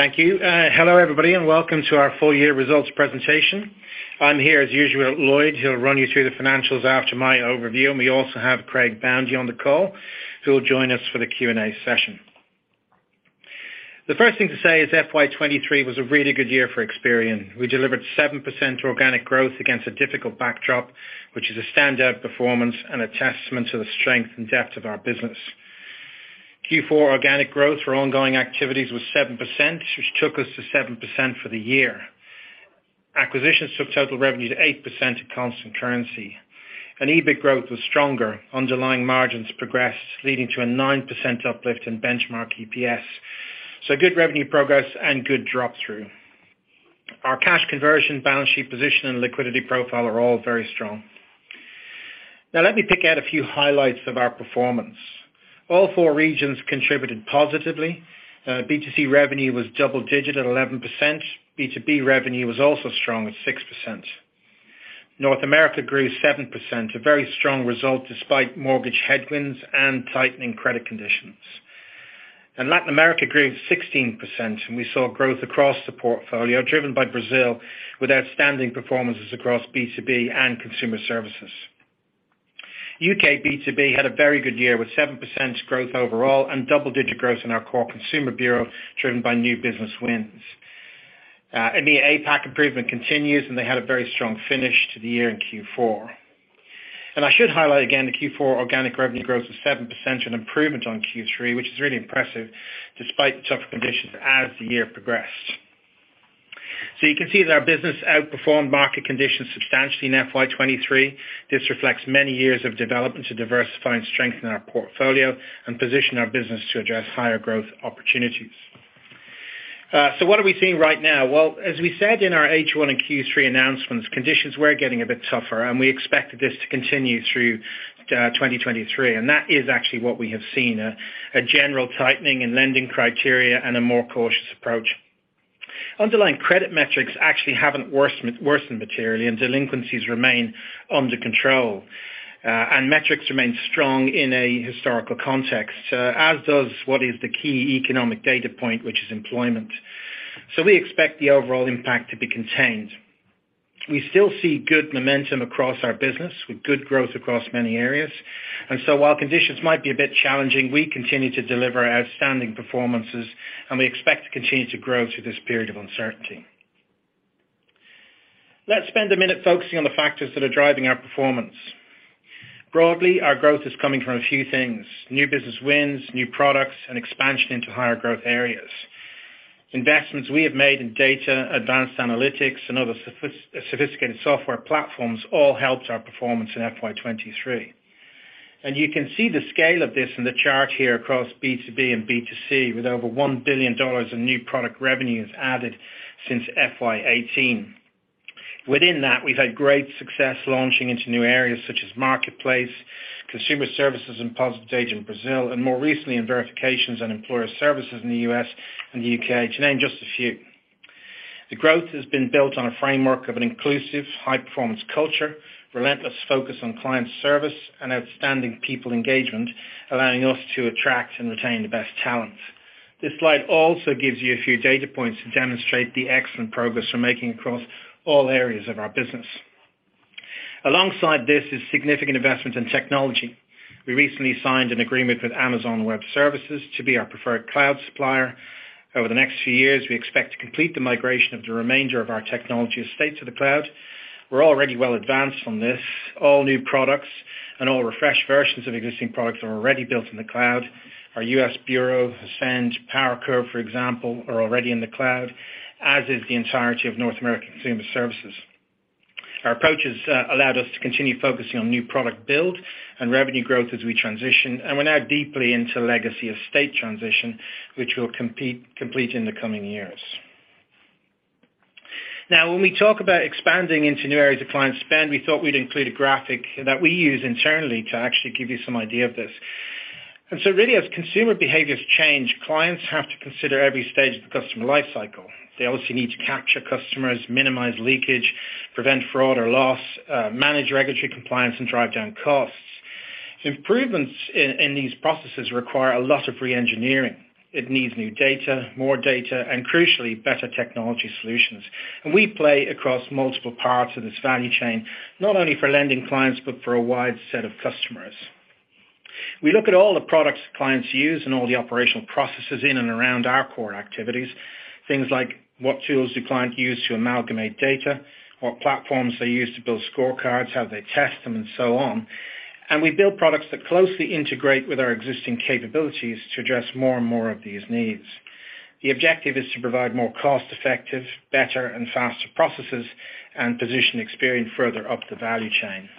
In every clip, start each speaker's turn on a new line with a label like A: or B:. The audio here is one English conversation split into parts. A: Thank you. Hello, everybody, and welcome to our full year results presentation. I'm here as usual with Lloyd, he'll run you through the financials after my overview, and we also have Craig Boundy on the call, who will join us for the Q&A session. The first thing to say is FY 2023 was a really good year for Experian. We delivered 7% organic growth against a difficult backdrop, which is a standout performance and a testament to the strength and depth of our business. Q4 organic growth for ongoing activities was 7%, which took us to 7% for the year. Acquisitions took total revenue to 8% at constant currency. EBIT growth was stronger. Underlying margins progressed, leading to a 9% uplift in benchmark EPS. Good revenue progress and good drop-through. Our cash conversion, balance sheet position, and liquidity profile are all very strong. Now let me pick out a few highlights of our performance. All four regions contributed positively. B2C revenue was double digits at 11%. B2B revenue was also strong at 6%. North America grew 7%, a very strong result despite mortgage headwinds and tightening credit conditions. Latin America grew 16%, and we saw growth across the portfolio, driven by Brazil with outstanding performances across B2B and consumer services. U.K. B2B had a very good year with 7% growth overall and double-digit growth in our core consumer bureau, driven by new business wins. In the APAC improvement continues, and they had a very strong finish to the year in Q4. I should highlight again the Q4 organic revenue growth was 7%, an improvement on Q3, which is really impressive despite the tougher conditions as the year progressed. You can see that our business outperformed market conditions substantially in FY 2023. This reflects many years of development to diversify and strengthen our portfolio and position our business to address higher growth opportunities. What are we seeing right now? As we said in our H1 and Q3 announcements, conditions were getting a bit tougher, and we expected this to continue through 2023, and that is actually what we have seen, a general tightening in lending criteria and a more cautious approach. Underlying credit metrics actually haven't worsened materially. Delinquencies remain under control, and metrics remain strong in a historical context, as does what is the key economic data point, which is employment. We expect the overall impact to be contained. We still see good momentum across our business with good growth across many areas. While conditions might be a bit challenging, we continue to deliver outstanding performances. We expect to continue to grow through this period of uncertainty. Let's spend a minute focusing on the factors that are driving our performance. Broadly, our growth is coming from a few things: new business wins, new products, and expansion into higher growth areas. Investments we have made in data, advanced analytics, and other sophisticated software platforms all helped our performance in FY 2023. You can see the scale of this in the chart here across B2B and B2C, with over $1 billion in new product revenues added since FY 2018. Within that, we've had great success launching into new areas such as Marketplace, Consumer Services, and positive data in Brazil, and more recently in Verifications and Employer Services in the U.S. and the U.K., to name just a few. The growth has been built on a framework of an inclusive high-performance culture, relentless focus on client service, and outstanding people engagement, allowing us to attract and retain the best talent. This slide also gives you a few data points to demonstrate the excellent progress we're making across all areas of our business. Alongside this is significant investment in technology. We recently signed an agreement with Amazon Web Services to be our preferred cloud supplier. Over the next few years, we expect to complete the migration of the remainder of our technology estate to the cloud. We're already well advanced on this. All new products and all refreshed versions of existing products are already built in the cloud. Our U.S. Bureau, Ascend, PowerCurve, for example, are already in the cloud, as is the entirety of North American Consumer Services. Our approach has allowed us to continue focusing on new product build and revenue growth as we transition, and we're now deeply into legacy estate transition, which we'll complete in the coming years. When we talk about expanding into new areas of client spend, we thought we'd include a graphic that we use internally to actually give you some idea of this. Really as consumer behaviors change, clients have to consider every stage of the customer life cycle. They obviously need to capture customers, minimize leakage, prevent fraud or loss, manage regulatory compliance, and drive down costs. Improvements in these processes require a lot of re-engineering. It needs new data, more data, and crucially, better technology solutions. We play across multiple parts of this value chain, not only for lending clients but for a wide set of customers. We look at all the products clients use and all the operational processes in and around our core activities. Things like what tools do clients use to amalgamate data, what platforms they use to build scorecards, how they test them, and so on. We build products that closely integrate with our existing capabilities to address more and more of these needs. The objective is to provide more cost-effective, better, and faster processes and position Experian further up the value chain.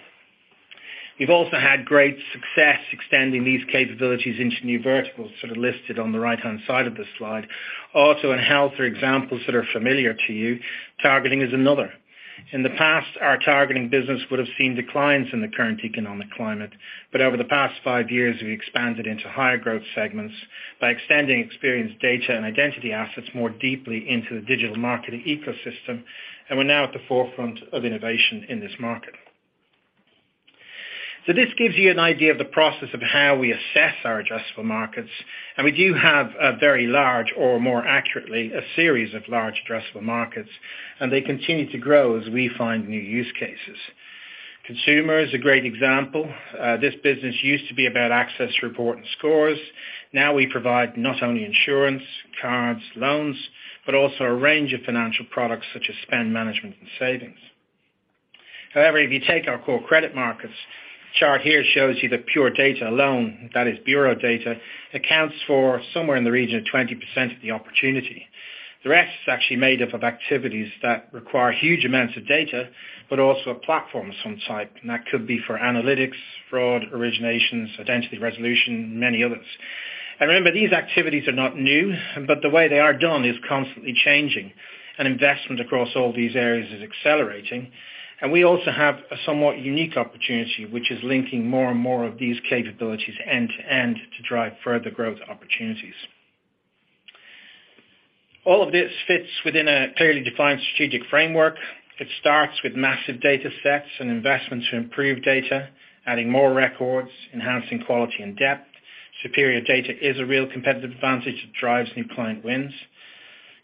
A: We've also had great success extending these capabilities into new verticals, sort of listed on the right-hand side of this slide. Auto and health are examples that are familiar to you. Targeting is another. In the past, our targeting business would have seen declines in the current economic climate. Over the past five years, we expanded into higher growth segments by extending Experian's data and identity assets more deeply into the digital marketing ecosystem, and we're now at the forefront of innovation in this market. This gives you an idea of the process of how we assess our addressable markets, and we do have a very large or more accurately, a series of large addressable markets, and they continue to grow as we find new use cases. Consumer is a great example. This business used to be about access, report, and scores. We provide not only insurance, cards, loans, but also a range of financial products, such as spend management and savings. If you take our core credit markets, chart here shows you the pure data loan, that is bureau data accounts for somewhere in the region of 20% of the opportunity. The rest is actually made up of activities that require huge amounts of data, but also a platform of some type, and that could be for analytics, fraud, originations, identity resolution, many others. Remember, these activities are not new, but the way they are done is constantly changing. An investment across all these areas is accelerating. We also have a somewhat unique opportunity, which is linking more and more of these capabilities end to end to drive further growth opportunities. All of this fits within a clearly defined strategic framework. It starts with massive data sets and investments to improve data, adding more records, enhancing quality and depth. Superior data is a real competitive advantage that drives new client wins.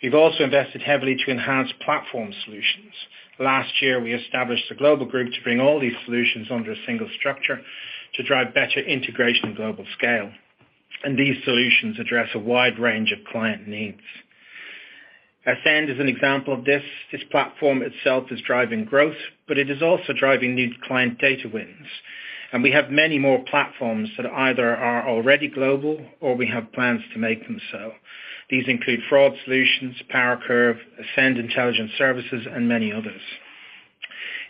A: We've also invested heavily to enhance platform solutions. Last year, we established a global group to bring all these solutions under a single structure to drive better integration and global scale. These solutions address a wide range of client needs. Ascend is an example of this. This platform itself is driving growth, but it is also driving new client data wins. We have many more platforms that either are already global or we have plans to make them so. These include fraud solutions, PowerCurve, Ascend Intelligence Services, and many others.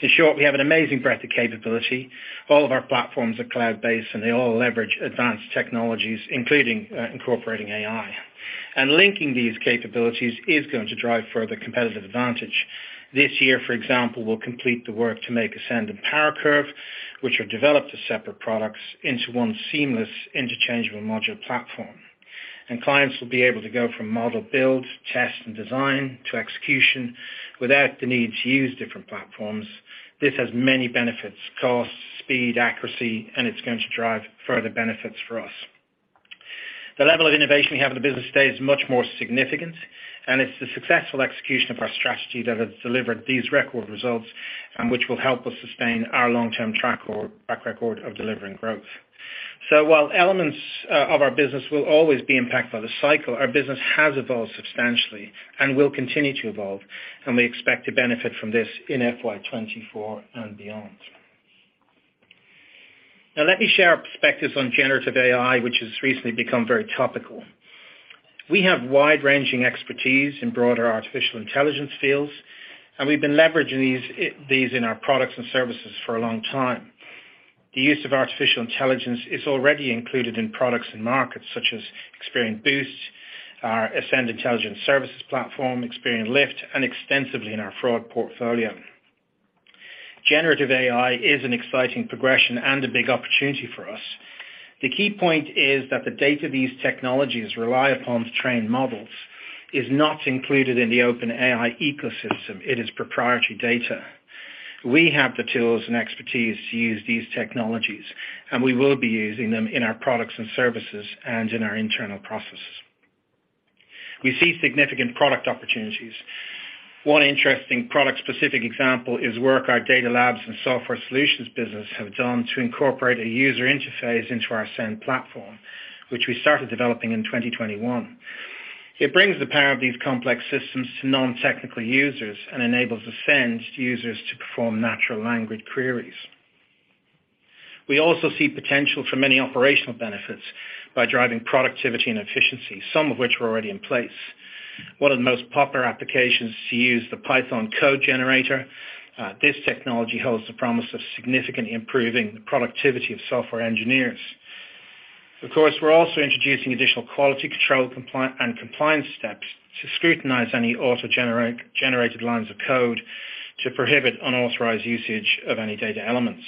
A: In short, we have an amazing breadth of capability. All of our platforms are cloud-based, and they all leverage advanced technologies, including incorporating AI. Linking these capabilities is going to drive further competitive advantage. This year, for example, we'll complete the work to make Ascend and PowerCurve, which are developed as separate products into one seamless interchangeable module platform. Clients will be able to go from model build, test, and design to execution without the need to use different platforms. This has many benefits, cost, speed, accuracy, and it's going to drive further benefits for us. The level of innovation we have in the business today is much more significant, and it's the successful execution of our strategy that has delivered these record results and which will help us sustain our long-term track record of delivering growth. While elements of our business will always be impacted by the cycle, our business has evolved substantially and will continue to evolve, and we expect to benefit from this in FY 2024 and beyond. Let me share our perspectives on generative AI, which has recently become very topical. We have wide-ranging expertise in broader artificial intelligence fields, and we've been leveraging these in our products and services for a long time. The use of artificial intelligence is already included in products and markets such as Experian Boost, our Ascend Intelligence Services platform, Experian Lift, and extensively in our fraud portfolio. Generative AI is an exciting progression and a big opportunity for us. The key point is that the database technologies rely upon to train models is not included in the open AI ecosystem. It is proprietary data. We have the tools and expertise to use these technologies. We will be using them in our products and services and in our internal processes. We see significant product opportunities. One interesting product-specific example is work our DataLabs and software solutions business have done to incorporate a user interface into our Ascend platform, which we started developing in 2021. It brings the power of these complex systems to non-technical users and enables Ascend users to perform natural language queries. We also see potential for many operational benefits by driving productivity and efficiency, some of which are already in place. One of the most popular applications to use the Python code generator, this technology holds the promise of significantly improving the productivity of software engineers. Of course, we're also introducing additional quality control and compliance steps to scrutinize any auto-generated lines of code to prohibit unauthorized usage of any data elements.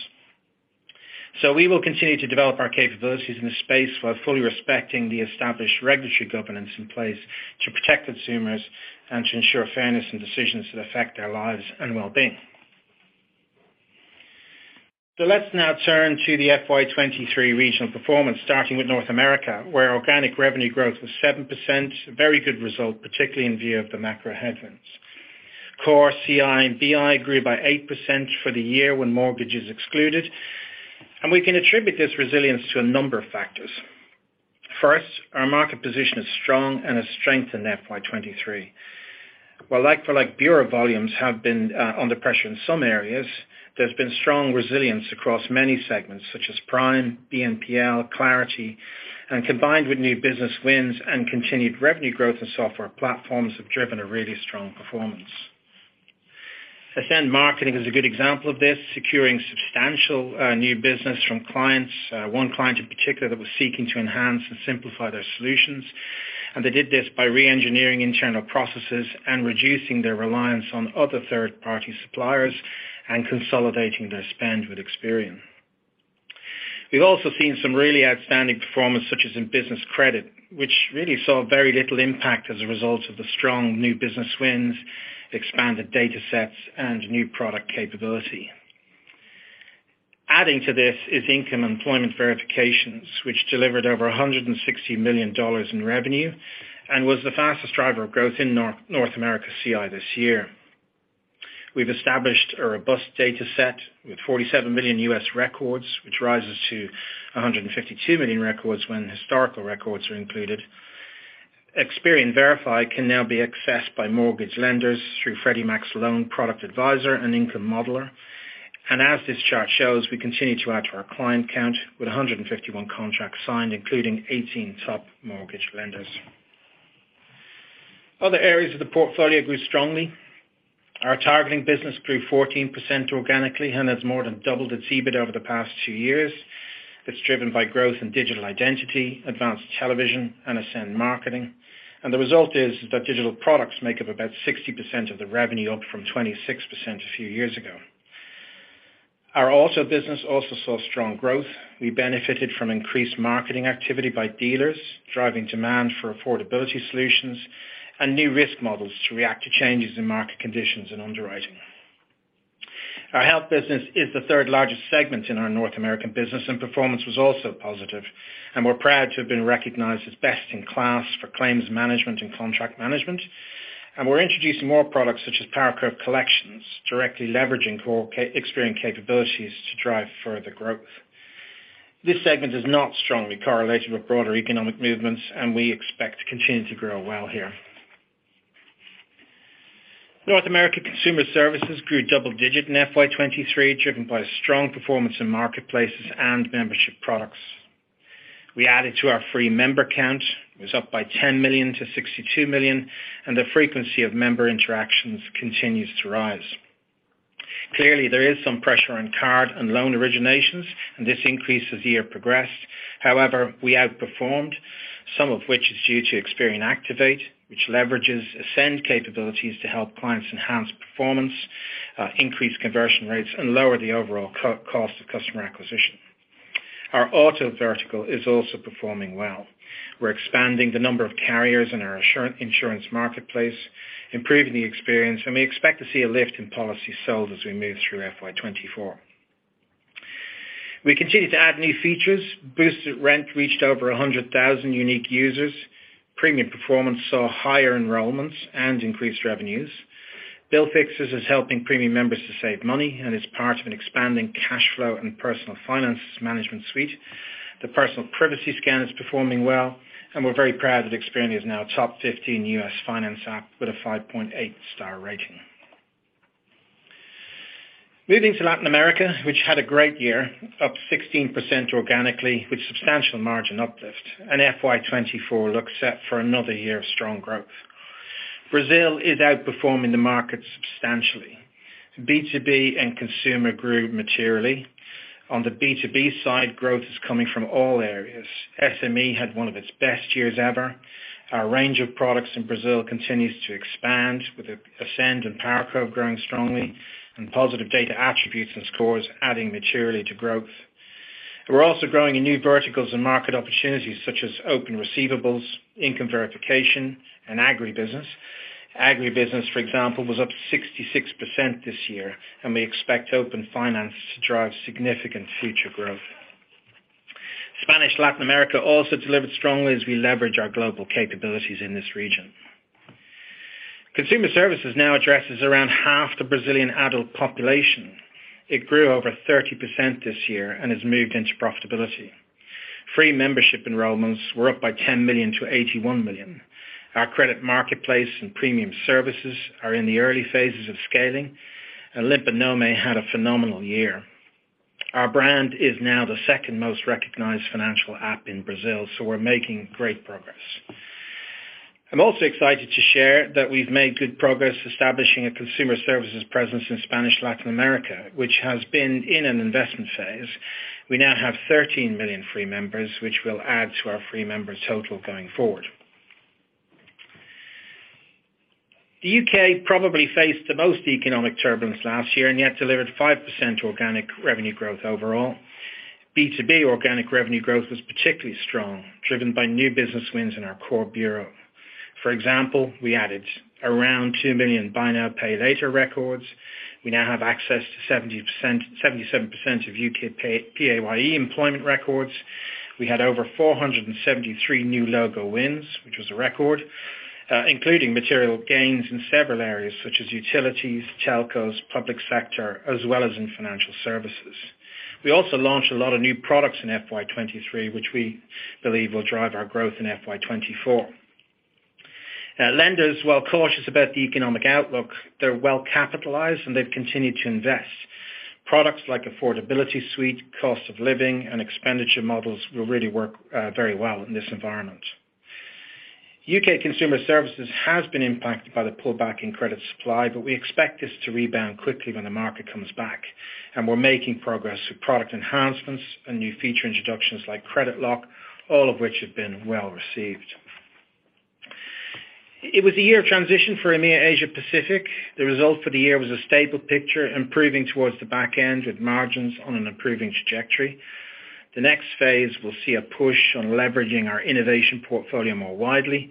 A: We will continue to develop our capabilities in a space while fully respecting the established regulatory governance in place to protect consumers and to ensure fairness in decisions that affect their lives and well-being. Let's now turn to the FY 2023 regional performance, starting with North America, where organic revenue growth was 7%, a very good result, particularly in view of the macro headwinds. Core CI and BI grew by 8% for the year when mortgage is excluded, and we can attribute this resilience to a number of factors. First, our market position is strong and has strengthened FY 2023. While like for like bureau volumes have been under pressure in some areas, there's been strong resilience across many segments such as Prime, BNPL, Clarity, and combined with new business wins and continued revenue growth and software platforms have driven a really strong performance. Ascend Marketing is a good example of this, securing substantial new business from clients. One client in particular that was seeking to enhance and simplify their solutions. They did this by re-engineering internal processes and reducing their reliance on other third-party suppliers and consolidating their spend with Experian. We've also seen some really outstanding performance, such as in business credit, which really saw very little impact as a result of the strong new business wins, expanded data sets, and new product capability. Adding to this is income employment verifications, which delivered over $160 million in revenue and was the fastest driver of growth in North America CI this year. We've established a robust data set with 47 million U.S. records, which rises to 152 million records when historical records are included. Experian Verify can now be accessed by mortgage lenders through Freddie Mac's Loan Product Advisor and Income Modeler. As this chart shows, we continue to add to our client count with 151 contracts signed, including 18 top mortgage lenders. Other areas of the portfolio grew strongly. Our targeting business grew 14% organically and has more than doubled its EBIT over the past two years. It's driven by growth in digital identity, advanced television, and Ascend Marketing. The result is that digital products make up about 60% of the revenue, up from 26% a few years ago. Our auto business also saw strong growth. We benefited from increased marketing activity by dealers, driving demand for affordability solutions and new risk models to react to changes in market conditions and underwriting. Our health business is the third-largest segment in our North American business, performance was also positive. We're proud to have been recognized as best in class for claims management and contract management. We're introducing more products such as PowerCurve Collections, directly leveraging core Experian capabilities to drive further growth. This segment is not strongly correlated with broader economic movements, and we expect to continue to grow well here. North America Consumer Services grew double digit in FY 2023, driven by strong performance in marketplaces and membership products. We added to our free member count. It was up by 10 million to 62 million, and the frequency of member interactions continues to rise. Clearly, there is some pressure on card and loan originations, and this increased as the year progressed. However, we outperformed, some of which is due to Experian Activate, which leverages Ascend capabilities to help clients enhance performance, increase conversion rates, and lower the overall cost of customer acquisition. Our auto vertical is also performing well. We're expanding the number of carriers in our insurance marketplace, improving the experience, and we expect to see a lift in policy sold as we move through FY 2024. We continue to add new features. Boosted Rent reached over 100,000 unique users. Premium Performance saw higher enrollments and increased revenues. BillFixer is helping Premium members to save money and is part of an expanding cash flow and personal finances management suite. The Personal Privacy Scan is performing well, and we're very proud that Experian is now a top 15 U.S. finance app with a 4.8-star rating. Moving to Latin America, which had a great year, up 16% organically with substantial margin uplift, and FY 2024 looks set for another year of strong growth. Brazil is outperforming the market substantially. B2B and consumer grew materially. On the B2B side, growth is coming from all areas. SME had one of its best years ever. Our range of products in Brazil continues to expand, with Ascend and PowerCurve growing strongly and positive data attributes and scores adding materially to growth. We're also growing in new verticals and market opportunities, such as open receivables, income verification, and agribusiness. Agribusiness, for example, was up 66% this year. We expect open finance to drive significant future growth. Spanish Latin America also delivered strongly as we leverage our global capabilities in this region. Consumer Services now addresses around half the Brazilian adult population. It grew over 30% this year and has moved into profitability. Free membership enrollments were up by 10 million to 81 million. Our credit Marketplace and premium services are in the early phases of scaling. Limpa Nome had a phenomenal year. Our brand is now the second most recognized financial app in Brazil. We're making great progress. I'm also excited to share that we've made good progress establishing a Consumer Services presence in Spanish Latin America, which has been in an investment phase. We now have 13 million free members, which will add to our free members total going forward. The U.K. probably faced the most economic turbulence last year and yet delivered 5% organic revenue growth overall. B2B organic revenue growth was particularly strong, driven by new business wins in our core bureau. For example, we added around 2 million buy now, pay later records. We now have access to 77% of U.K. PAYE employment records. We had over 473 new logo wins, which was a record, including material gains in several areas such as utilities, telcos, public sector, as well as in financial services. We also launched a lot of new products in FY 2023, which we believe will drive our growth in FY 2024. Lenders, while cautious about the economic outlook, they're well capitalized, and they've continued to invest. Products like Affordability Suite, cost of living, and expenditure models will really work very well in this environment. U.K. Consumer Services has been impacted by the pullback in credit supply, but we expect this to rebound quickly when the market comes back, and we're making progress with product enhancements and new feature introductions like Credit Lock, all of which have been well received. It was a year of transition for EMEA Asia Pacific. The result for the year was a stable picture, improving towards the back end with margins on an improving trajectory. The next phase, we'll see a push on leveraging our innovation portfolio more widely.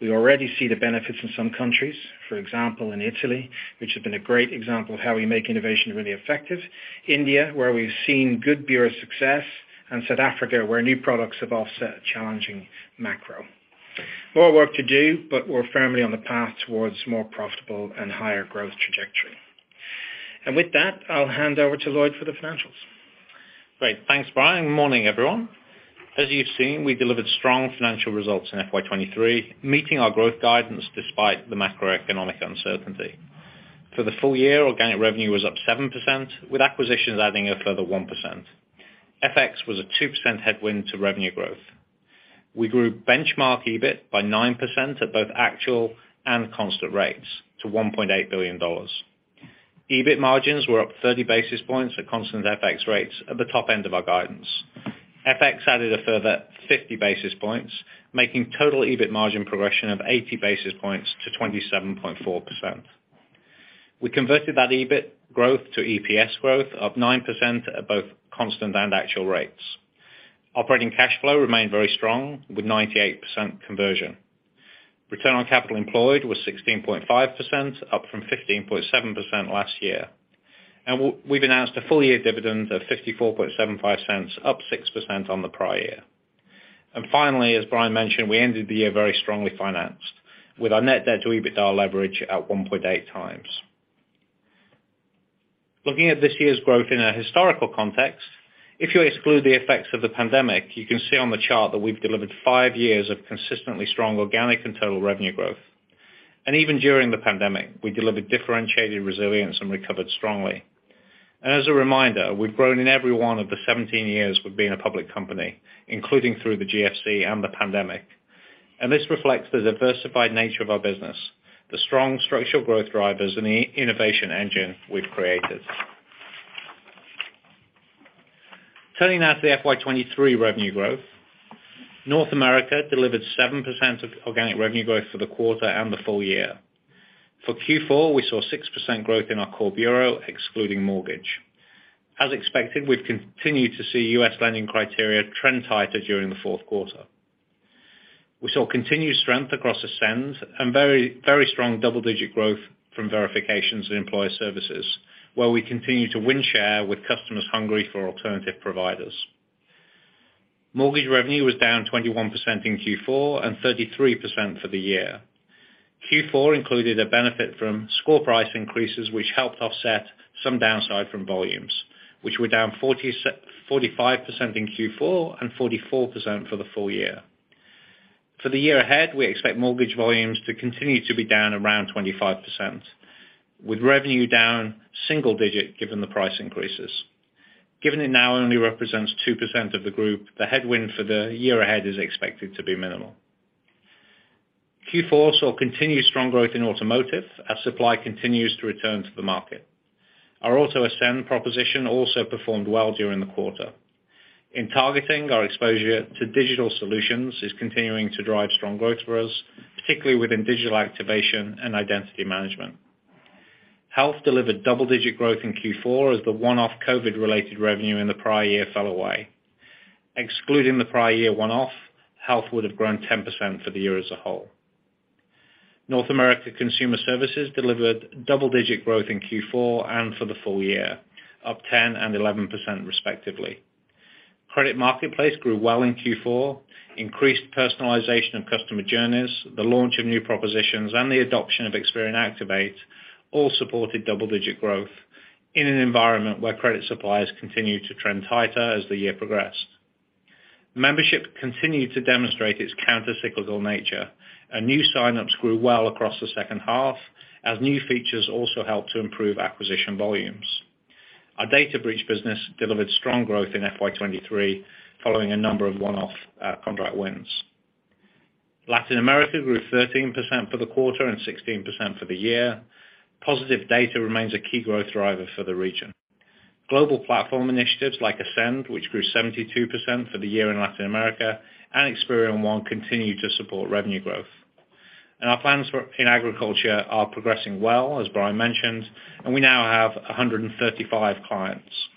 A: We already see the benefits in some countries, for example, in Italy, which has been a great example of how we make innovation really effective, India, where we've seen good bureau success, and South Africa, where new products have offset challenging macro. More work to do, but we're firmly on the path towards more profitable and higher growth trajectory. With that, I'll hand over to Lloyd for the financials.
B: Great. Thanks, Brian. Morning, everyone. As you've seen, we delivered strong financial results in FY 2023, meeting our growth guidance despite the macroeconomic uncertainty. For the full year, organic revenue was up 7%, with acquisitions adding a further 1%. FX was a 2% headwind to revenue growth. We grew benchmark EBIT by 9% at both actual and constant rates to $1.8 billion. EBIT margins were up 30 basis points at constant FX rates at the top end of our guidance. FX added a further 50 basis points, making total EBIT margin progression of 80 basis points to 27.4%. We converted that EBIT growth to EPS growth of 9% at both constant and actual rates. Operating cash flow remained very strong, with 98% conversion. Return on capital employed was 16.5%, up from 15.7% last year. We've announced a full year dividend of $0.5475, up 6% on the prior year. Finally, as Brian mentioned, we ended the year very strongly financed, with our net debt to EBITDA leverage at 1.8 times. Looking at this year's growth in a historical context, if you exclude the effects of the pandemic, you can see on the chart that we've delivered five years of consistently strong organic and total revenue growth. Even during the pandemic, we delivered differentiated resilience and recovered strongly. As a reminder, we've grown in every one of the 17 years we've been a public company, including through the GFC and the pandemic. This reflects the diversified nature of our business, the strong structural growth drivers and the innovation engine we've created. Turning now to the FY 2023 revenue growth. North America delivered 7% of organic revenue growth for the quarter and the full year. For Q4, we saw 6% growth in our core bureau, excluding mortgage. As expected, we've continued to see U.S. lending criteria trend tighter during the fourth quarter. We saw continued strength across Ascend and very strong double-digit growth from verifications and employee services, where we continue to win share with customers hungry for alternative providers. Mortgage revenue was down 21% in Q4 and 33% for the year. Q4 included a benefit from score price increases, which helped offset some downside from volumes, which were down 45% in Q4 and 44% for the full year. For the year ahead, we expect mortgage volumes to continue to be down around 25%, with revenue down single digit, given the price increases. Given it now only represents 2% of the group, the headwind for the year ahead is expected to be minimal. Q4 saw continued strong growth in automotive as supply continues to return to the market. Our Auto Ascend proposition also performed well during the quarter. In targeting, our exposure to digital solutions is continuing to drive strong growth for us, particularly within digital activation and identity management. Health delivered double-digit growth in Q4 as the one-off COVID-related revenue in the prior year fell away. Excluding the prior year one-off, health would have grown 10% for the year as a whole. North America Consumer Services delivered double-digit growth in Q4 and for the full year, up 10% and 11% respectively. Credit Marketplace grew well in Q4, increased personalization of customer journeys, the launch of new propositions, and the adoption of Experian Activate all supported double-digit growth in an environment where credit suppliers continued to trend tighter as the year progressed. Membership continued to demonstrate its counter-cyclical nature, and new sign-ups grew well across the second half as new features also helped to improve acquisition volumes. Our data breach business delivered strong growth in FY 2023 following a number of one-off contract wins. Latin America grew 13% for the quarter and 16% for the year. Positive data remains a key growth driver for the region. Global platform initiatives like Ascend, which grew 72% for the year in Latin America, and Experian One continue to support revenue growth. Our plans in agriculture are progressing well, as Brian mentioned, and we now have 135 clients.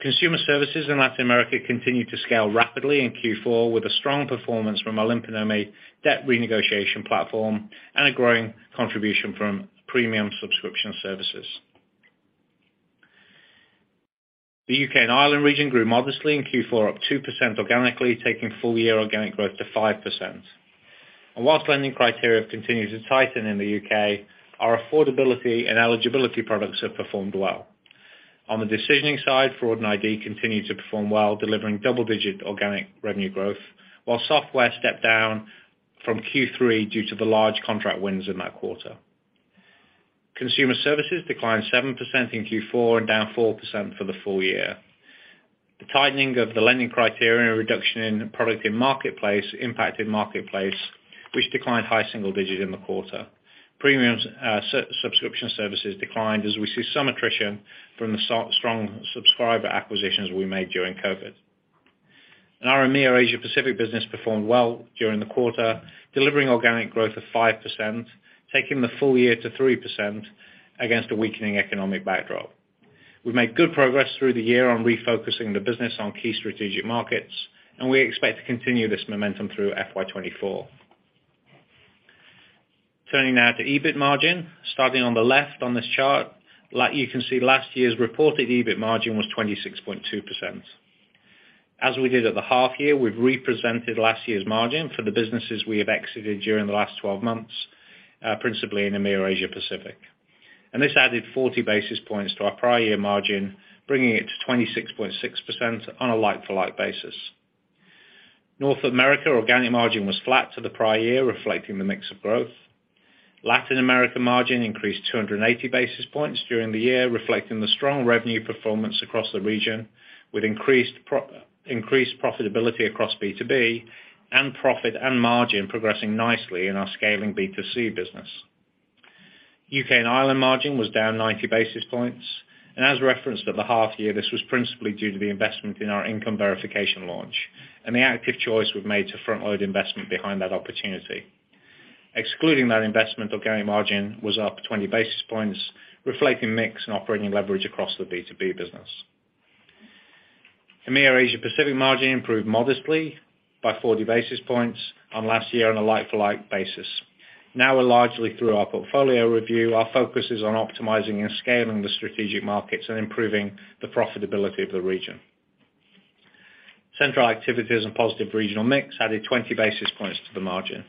B: Consumer services in Latin America continued to scale rapidly in Q4 with a strong performance from our Limpa Nome debt renegotiation platform and a growing contribution from premium subscription services. The U.K. and Ireland region grew modestly in Q4, up 2% organically, taking full year organic growth to 5%. Whilst lending criteria continues to tighten in the U.K., our affordability and eligibility products have performed well. On the decisioning side, fraud and ID continued to perform well, delivering double-digit organic revenue growth, while software stepped down from Q3 due to the large contract wins in that quarter. Consumer services declined 7% in Q4 and down 4% for the full year. The tightening of the lending criteria and reduction in product in Marketplace impacted Marketplace, which declined high single digit in the quarter. Premiums, sub-subscription services declined as we see some attrition from the so-strong subscriber acquisitions we made during COVID. Our EMEA Asia Pacific business performed well during the quarter, delivering organic growth of 5%, taking the full year to 3% against a weakening economic backdrop. We made good progress through the year on refocusing the business on key strategic markets, and we expect to continue this momentum through FY 2024. Turning now to EBIT margin. Starting on the left on this chart, like you can see, last year's reported EBIT margin was 26.2%. As we did at the half year, we've represented last year's margin for the businesses we have exited during the last 12 months, principally in EMEA Asia Pacific. This added 40 basis points to our prior year margin, bringing it to 26.6% on a like-for-like basis. North America organic margin was flat to the prior year, reflecting the mix of growth. Latin America margin increased 280 basis points during the year, reflecting the strong revenue performance across the region with increased profitability across B2B and profit and margin progressing nicely in our scaling B2C business. U.K. and Ireland margin was down 90 basis points. As referenced at the half year, this was principally due to the investment in our income verification launch and the active choice we've made to front-load investment behind that opportunity. Excluding that investment, organic margin was up 20 basis points, reflecting mix and operating leverage across the B2B business. EMEA Asia Pacific margin improved modestly by 40 basis points on last year on a like-for-like basis. Now we're largely through our portfolio review, our focus is on optimizing and scaling the strategic markets and improving the profitability of the region. Central activities and positive regional mix added 20 basis points to the margin.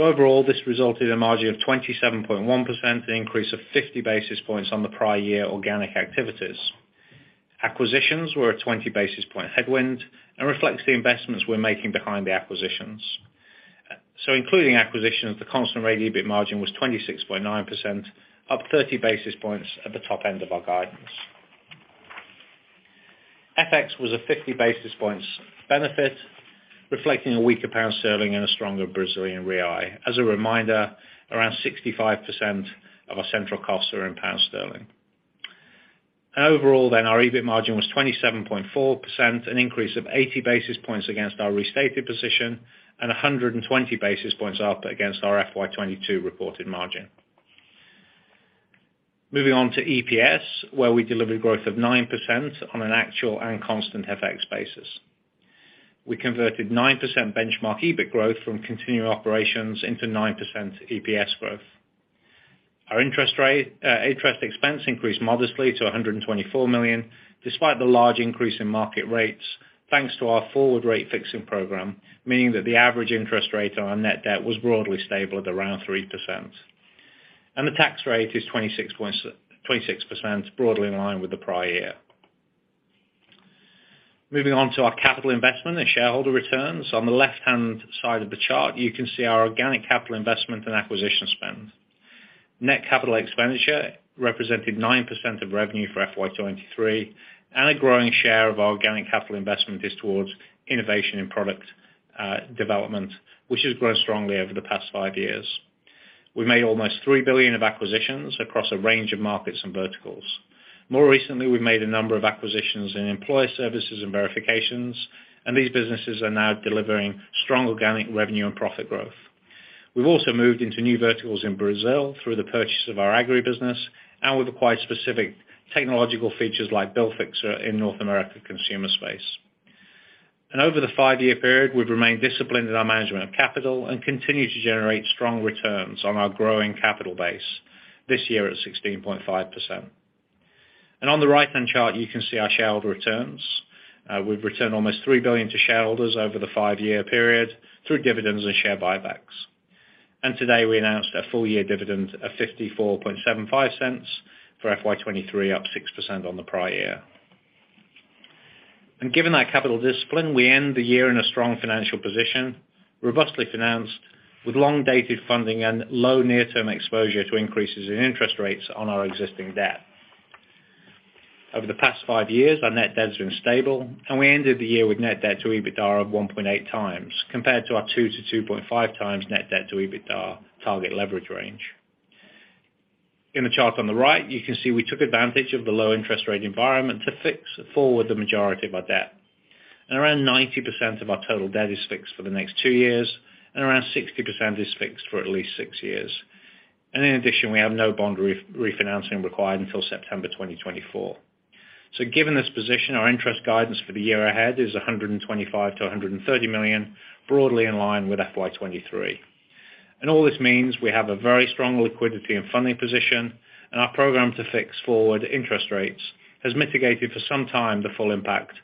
B: Overall, this resulted in a margin of 27.1%, an increase of 50 basis points on the prior year organic activities. Acquisitions were a 20 basis point headwind and reflects the investments we're making behind the acquisitions. Including acquisitions, the constant rate EBIT margin was 26.9%, up 30 basis points at the top end of our guidance. FX was a 50 basis points benefit, reflecting a weaker pound sterling and a stronger Brazilian real. As a reminder, around 65% of our central costs are in pound sterling. Our EBIT margin was 27.4%, an increase of 80 basis points against our restated position and 120 basis points up against our FY 2022 reported margin. Moving on to EPS, where we delivered growth of 9% on an actual and constant FX basis. We converted 9% benchmark EBIT growth from continuing operations into 9% EPS growth. Our interest rate interest expense increased modestly to $124 million, despite the large increase in market rates, thanks to our forward rate fixing program, meaning that the average interest rate on our net debt was broadly stable at around 3%. The tax rate is 26%, broadly in line with the prior year. Moving on to our capital investment and shareholder returns. On the left-hand side of the chart, you can see our organic capital investment and acquisition spend. Net capital expenditure represented 9% of revenue for FY 2023, and a growing share of our organic capital investment is towards innovation in product development, which has grown strongly over the past five years. We made almost $3 billion of acquisitions across a range of markets and verticals. More recently, we made a number of acquisitions in Employer Services and verifications, and these businesses are now delivering strong organic revenue and profit growth. We've also moved into new verticals in Brazil through the purchase of our agri business, and we've acquired specific technological features like BillFixer in North America consumer space. Over the 5-year period, we've remained disciplined in our management of capital and continue to generate strong returns on our growing capital base, this year at 16.5%. On the right-hand chart, you can see our shareholder returns. We've returned almost $3 billion to shareholders over the 5-year period through dividends and share buybacks. Today, we announced a full-year dividend of $0.5475 for FY 2023, up 6% on the prior year. Given that capital discipline, we end the year in a strong financial position, robustly financed with long-dated funding and low near-term exposure to increases in interest rates on our existing debt. Over the past five years, our net debt has been stable. We ended the year with net debt to EBITDA of 1.8 times, compared to our 2-2.5 times net debt to EBITDA target leverage range. In the chart on the right, you can see we took advantage of the low interest rate environment to fix forward the majority of our debt. Around 90% of our total debt is fixed for the next 2 years, and around 60% is fixed for at least six years. In addition, we have no bond refinancing required until September 2024. Given this position, our interest guidance for the year ahead is $125 million-$130 million, broadly in line with FY 2023. All this means we have a very strong liquidity and funding position, our program to fix forward interest rates has mitigated for some time the full impact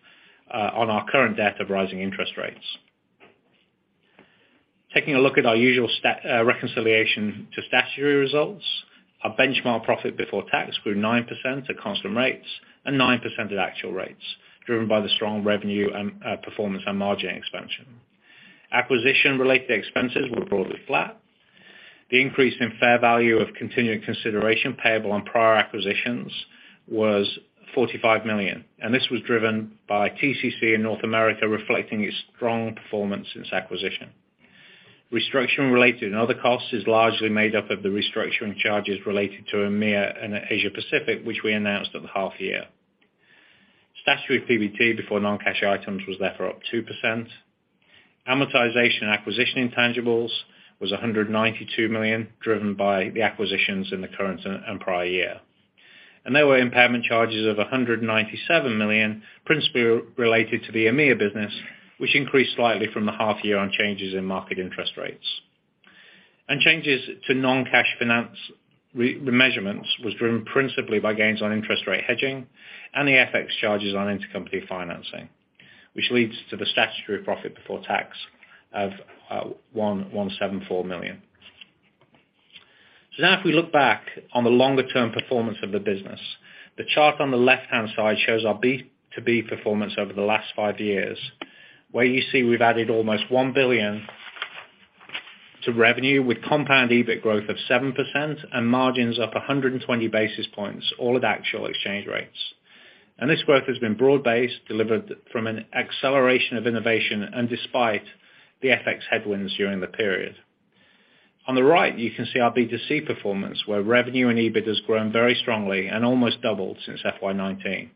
B: on our current debt of rising interest rates. Taking a look at our usual reconciliation to statutory results, our benchmark profit before tax grew 9% at constant rates and 9% at actual rates, driven by the strong revenue and performance and margin expansion. Acquisition-related expenses were broadly flat. The increase in fair value of continuing consideration payable on prior acquisitions was $45 million, this was driven by TCC in North America, reflecting its strong performance since acquisition. Restructuring related and other costs is largely made up of the restructuring charges related to EMEA and Asia Pacific, which we announced at the half year. Statutory PBT before non-cash items was therefore up 2%. Amortization and acquisition intangibles was $192 million, driven by the acquisitions in the current and prior year. There were impairment charges of $197 million, principally related to the EMEA business, which increased slightly from the half year on changes in market interest rates. Changes to non-cash finance remeasurements was driven principally by gains on interest rate hedging and the FX charges on intercompany financing, which leads to the statutory profit before tax of $1,174 million. If we look back on the longer term performance of the business, the chart on the left-hand side shows our B2B performance over the last five years, where you see we've added almost $1 billion to revenue with compound EBIT growth of 7% and margins up 120 basis points, all at actual exchange rates. This growth has been broad-based, delivered from an acceleration of innovation and despite the FX headwinds during the period. On the right, you can see our B2C performance, where revenue and EBIT has grown very strongly and almost doubled since FY 2019.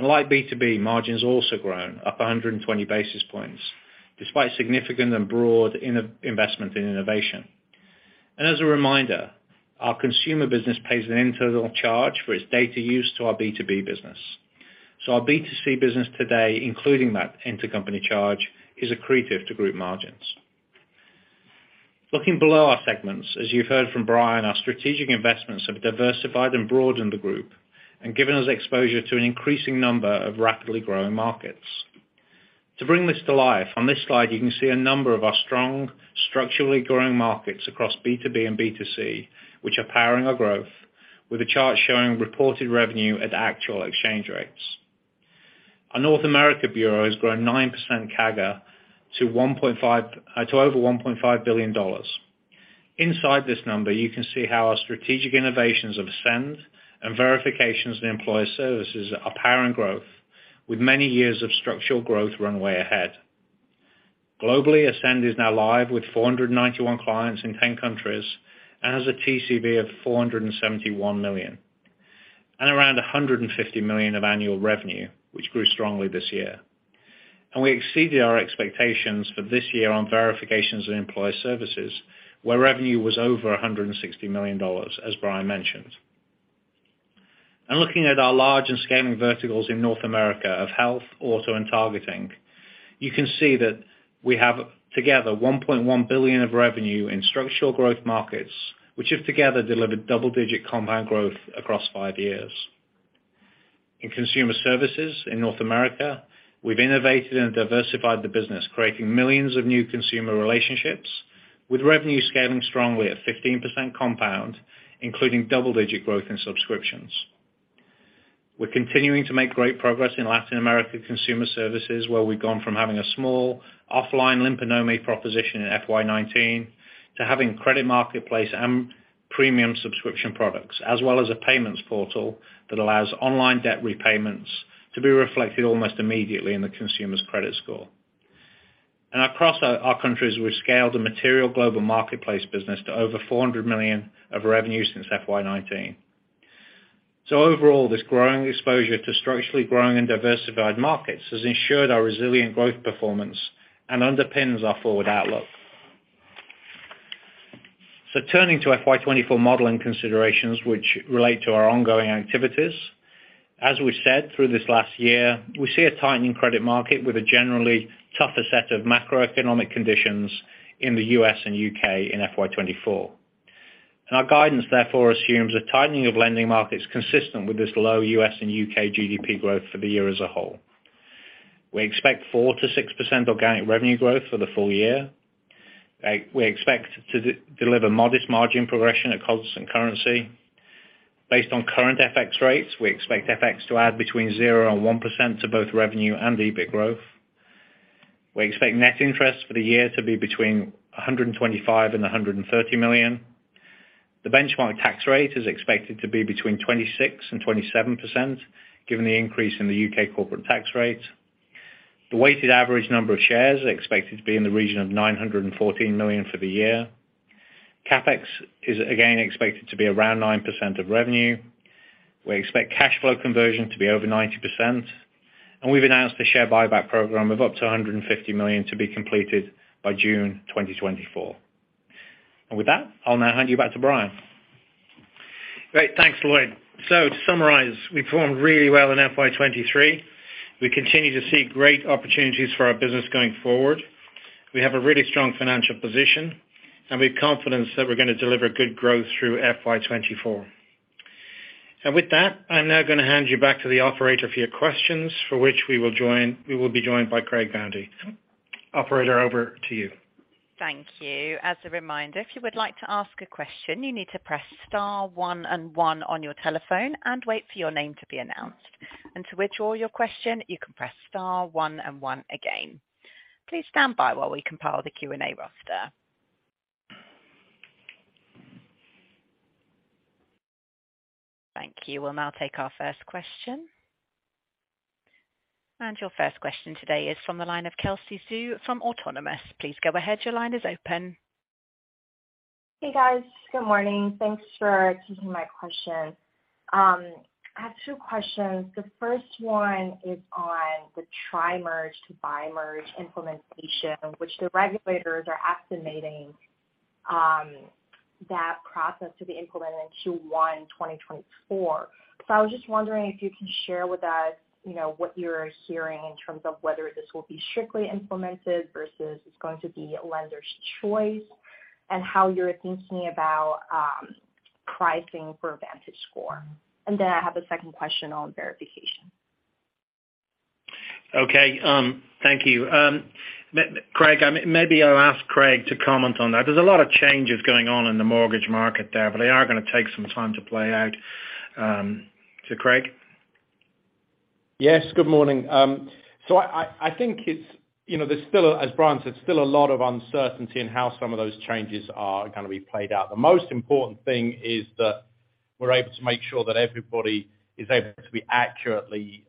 B: Like B2B, margin's also grown, up 120 basis points, despite significant and broad in-investment in innovation. As a reminder, our consumer business pays an internal charge for its data use to our B2B business. Our B2C business today, including that intercompany charge, is accretive to group margins. Looking below our segments, as you've heard from Brian, our strategic investments have diversified and broadened the group and given us exposure to an increasing number of rapidly growing markets. To bring this to life, on this slide, you can see a number of our strong structurally growing markets across B2B and B2C, which are powering our growth with a chart showing reported revenue at actual exchange rates. Our North America bureau has grown 9% CAGR to over $1.5 billion. Inside this number, you can see how our strategic innovations of Ascend and verifications in employee services are powering growth with many years of structural growth runway ahead. Globally, Ascend is now live with 491 clients in 10 countries and has a TCV of $471 million and around $150 million of annual revenue, which grew strongly this year. We exceeded our expectations for this year on verifications in Employer Services, where revenue was over $160 million, as Brian mentioned. Looking at our large and scaling verticals in North America of health, auto, and targeting, you can see that we have together $1.1 billion of revenue in structural growth markets, which have together delivered double-digit compound growth across five years. In consumer services in North America, we've innovated and diversified the business, creating millions of new consumer relationships with revenue scaling strongly at 15% compound, including double-digit growth in subscriptions. We're continuing to make great progress in Latin America consumer services, where we've gone from having a small offline Limpa Nome proposition in FY 2019 to having credit Marketplace and premium subscription products, as well as a payments portal that allows online debt repayments to be reflected almost immediately in the consumer's credit score. Across our countries, we've scaled a material global Marketplace business to over $400 million of revenue since FY 2019. Overall, this growing exposure to structurally growing and diversified markets has ensured our resilient growth performance and underpins our forward outlook. Turning to FY 2024 modeling considerations which relate to our ongoing activities, as we said through this last year, we see a tightening credit market with a generally tougher set of macroeconomic conditions in the U.S. and U.K. in FY 2024. Our guidance, therefore, assumes a tightening of lending markets consistent with this low U.S. and U.K. GDP growth for the year as a whole. We expect 4%-6% organic revenue growth for the full year. We expect to de-deliver modest margin progression at constant currency. Based on current FX rates, we expect FX to add between 0% and 1% to both revenue and EBIT growth. We expect net interest for the year to be between $125 million and $130 million. The benchmark tax rate is expected to be between 26% and 27%, given the increase in the U.K. corporate tax rate. The weighted average number of shares are expected to be in the region of 914 million for the year. CapEx is again expected to be around 9% of revenue. We expect cash flow conversion to be over 90%. We've announced a share buyback program of up to $150 million to be completed by June 2024. With that, I'll now hand you back to Brian.
A: Great. Thanks, Lloyd. To summarize, we performed really well in FY 2023. We continue to see great opportunities for our business going forward. We have a really strong financial position, and we have confidence that we're gonna deliver good growth through FY 2024. With that, I'm now gonna hand you back to the operator for your questions for which we will be joined by Craig Boundy. Operator, over to you.
C: Thank you. As a reminder, if you would like to ask a question, you need to press star one and one on your telephone and wait for your name to be announced. To withdraw your question, you can press star one and one again. Please stand by while we compile the Q&A roster. Thank you. We'll now take our first question. Your first question today is from the line of Kelsey Zhu from Autonomous. Please go ahead. Your line is open.
D: Hey, guys. Good morning. Thanks for taking my question. I have two questions. The first one is on the tri-merge to bi-merge implementation, which the regulators are estimating that process to be implemented in Q1 2024. I was just wondering if you can share with us, you know, what you're hearing in terms of whether this will be strictly implemented versus it's going to be lender's choice and how you're thinking about pricing for VantageScore. I have a second question on verification.
A: Okay, thank you. Craig, maybe I'll ask Craig to comment on that. There's a lot of changes going on in the mortgage market there, but they are gonna take some time to play out. to Craig.
E: Yes, good morning. I think it's, you know, there's still, as Brian said, still a lot of uncertainty in how some of those changes are gonna be played out. The most important thing is that we're able to make sure that everybody is able to be accurately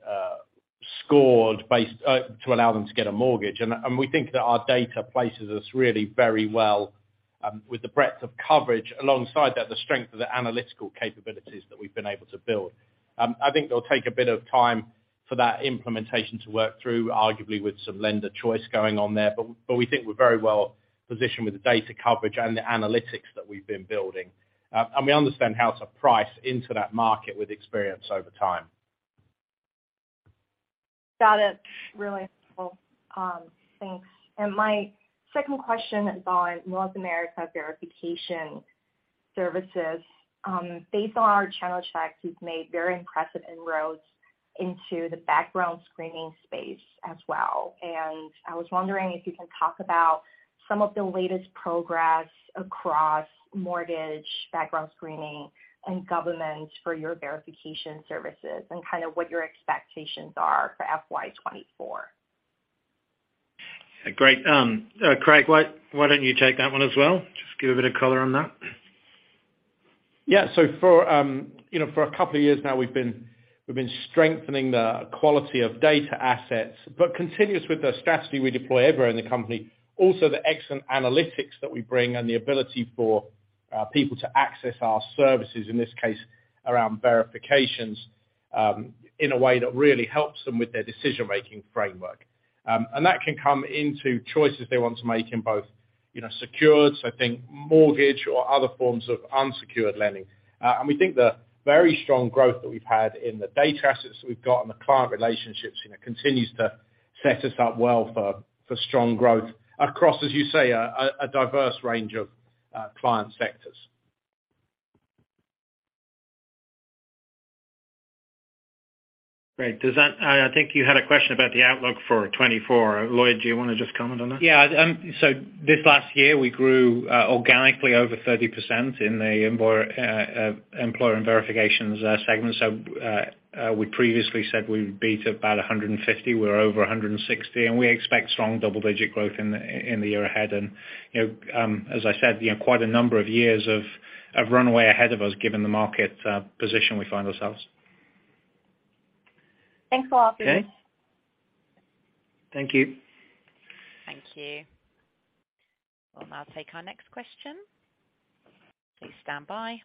E: scored based to allow them to get a mortgage. We think that our data places us really very well with the breadth of coverage alongside that, the strength of the analytical capabilities that we've been able to build. I think it'll take a bit of time for that implementation to work through, arguably with some lender choice going on there. We think we're very well positioned with the data coverage and the analytics that we've been building. We understand how to price into that market with experience over time.
D: Got it. Really helpful. Thanks. My second question is on North America verification services. Based on our channel checks, you've made very impressive inroads into the background screening space as well. I was wondering if you can talk about some of the latest progress across mortgage background screening and government for your verification services and kind of what your expectations are for FY 2024.
A: Great. Craig, why don't you take that one as well? Just give a bit of color on that.
E: Yeah. For, you know, for a couple of years now we've been strengthening the quality of data assets, but continuous with the strategy we deploy everywhere in the company, also the excellent analytics that we bring and the ability for people to access our services, in this case around verifications, in a way that really helps them with their decision-making framework. That can come into choices they want to make in both, you know, secured, so I think mortgage or other forms of unsecured lending. We think the very strong growth that we've had in the data assets that we've got and the client relationships, you know, continues to set us up well for strong growth across, as you say, a diverse range of client sectors.
A: Great. I think you had a question about the outlook for 2024. Lloyd, do you wanna just comment on that?
B: Yeah. This last year we grew organically over 30% in the employer and verifications segment. We previously said we would beat about 150. We're over 160, and we expect strong double-digit growth in the year ahead. You know, as I said, you know, quite a number of years of runway ahead of us, given the market position we find ourselves.
D: Thanks a lot.
A: Okay. Thank you.
C: Thank you. We'll now take our next question. Please stand by.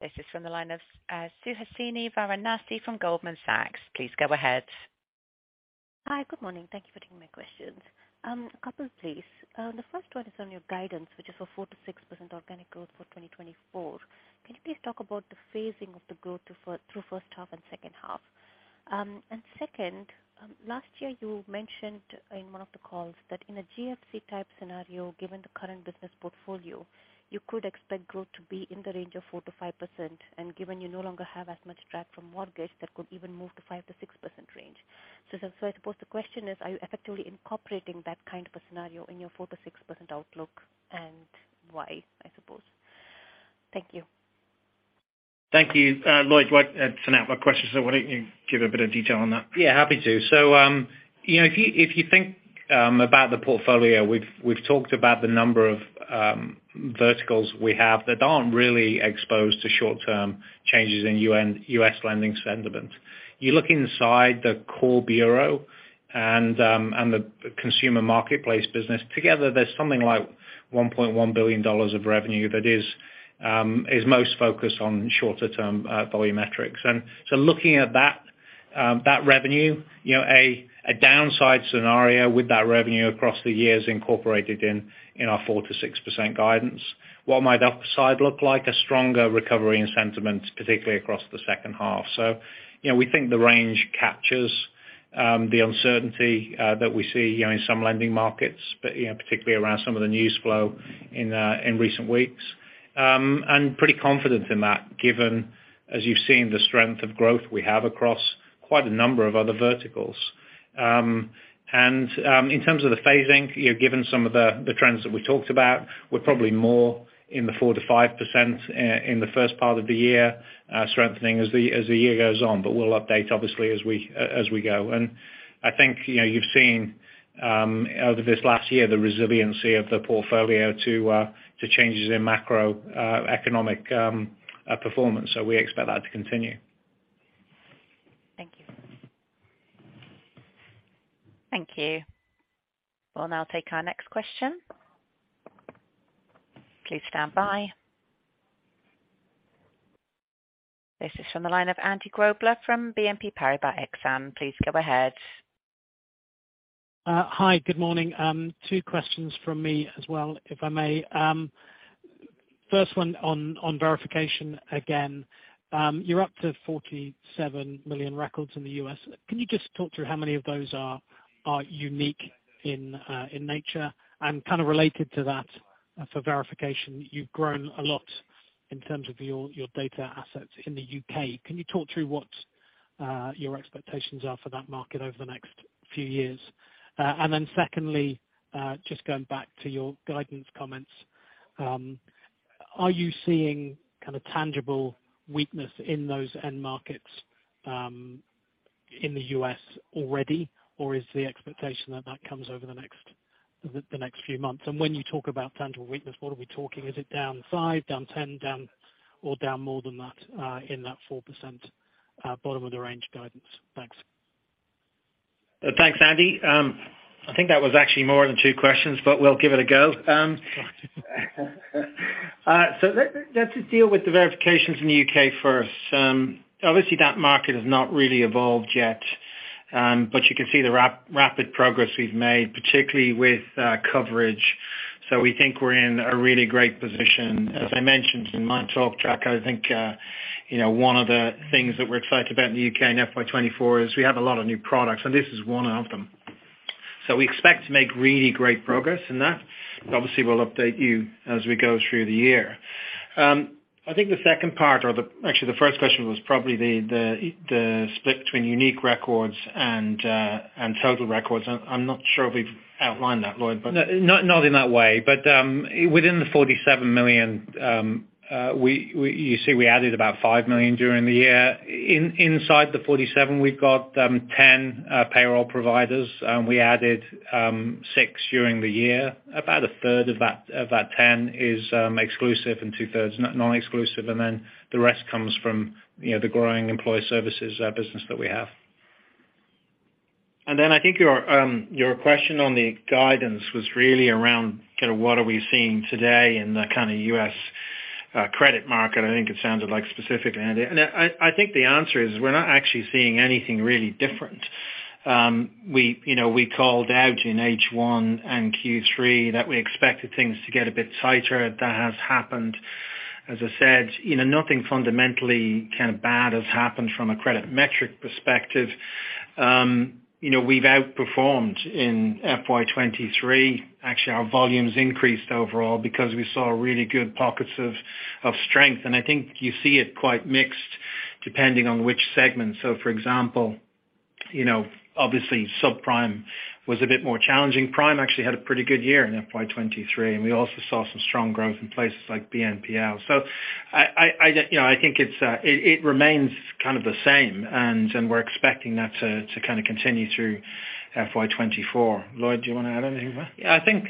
C: This is from the line of Suhasini Varanasi from Goldman Sachs. Please go ahead.
F: Hi. Good morning. Thank you for taking my questions. A couple please. The first one is on your guidance, which is for 4%-6% organic growth for 2024. Can you please talk about the phasing of the growth through first half and second half? Second, last year you mentioned in one of the calls that in a GFC type scenario, given the current business portfolio, you could expect growth to be in the range of 4%-5%, and given you no longer have as much drag from mortgage, that could even move to 5%-6% range. I suppose the question is, are you effectively incorporating that kind of a scenario in your 4%-6% outlook, and why, I suppose? Thank you.
A: Thank you. Lloyd, it's an outlook question, so why don't you give a bit of detail on that?
B: Yeah, happy to. You know, if you think about the portfolio, we've talked about the number of verticals we have that aren't really exposed to short-term changes in U.S. lending sentiment. You look inside the core bureau and the consumer marketplace business. Together, there's something like $1.1 billion of revenue that is most focused on shorter term volumetrics. Looking at that revenue, you know, a downside scenario with that revenue across the years incorporated in our 4%-6% guidance. What might the upside look like? A stronger recovery in sentiment, particularly across the second half. You know, we think the range captures the uncertainty that we see, you know, in some lending markets, but, you know, particularly around some of the news flow in recent weeks. Pretty confident in that given, as you've seen, the strength of growth we have across quite a number of other verticals. In terms of the phasing, you know, given some of the trends that we talked about, we're probably more in the 4%-5% in the first part of the year, strengthening as the year goes on. We'll update obviously as we go. I think, you know, you've seen over this last year the resiliency of the portfolio to changes in macro economic performance. We expect that to continue. Thank you.
C: Thank you. We'll now take our next question. Please stand by. This is from the line of Andy Grobler from BNP Paribas Exane. Please go ahead.
G: Hi, good morning. Two questions from me as well, if I may. First one on verification again. You're up to 47 million records in the U.S. Can you just talk through how many of those are unique in nature? Kind of related to that, for verification, you've grown a lot in terms of your data assets in the U.K. Can you talk through what your expectations are for that market over the next few years? Secondly, just going back to your guidance comments, are you seeing kind of tangible weakness in those end markets in the U.S. already? Or is the expectation that that comes over the next few months? When you talk about tangible weakness, what are we talking? Is it down five, down 10, down, or down more than that, in that 4% bottom of the range guidance? Thanks.
A: Thanks, Andy. I think that was actually more than two questions, but we'll give it a go. Let's just deal with the verifications in the U.K. first. Obviously that market has not really evolved yet, but you can see the rapid progress we've made, particularly with coverage. We think we're in a really great position. As I mentioned in my talk track, I think, you know, one of the things that we're excited about in the U.K. in FY 2024 is we have a lot of new products, and this is one of them. We expect to make really great progress in that. Obviously, we'll update you as we go through the year. I think the second part or actually, the first question was probably the split between unique records and total records. I'm not sure if we've outlined that, Lloyd, but.
B: No, not in that way. Within the 47 million, you see, we added about 5 million during the year. Inside the 47, we've got 10 payroll providers, and we added 6 during the year. About a third of that 10 is exclusive and two-thirds non-exclusive. Then the rest comes from, you know, the growing employee services business that we have.
A: Then I think your question on the guidance was really around kind of what are we seeing today in the kind of U.S. credit market. I think it sounded like specific, Andy. I think the answer is we're not actually seeing anything really different. We, you know, we called out in H1 and Q3 that we expected things to get a bit tighter. That has happened. As I said, you know, nothing fundamentally kind of bad has happened from a credit metric perspective. We, you know, we've outperformed in FY 2023. Actually, our volumes increased overall because we saw really good pockets of strength. I think you see it quite mixed depending on which segment. For example, you know, obviously subprime was a bit more challenging. Prime actually had a pretty good year in FY 2023, and we also saw some strong growth in places like BNPL. I, you know, I think it's, it remains kind of the same, and we're expecting that to kind of continue through FY 2024. Lloyd, do you wanna add anything there?
B: Yeah, I think,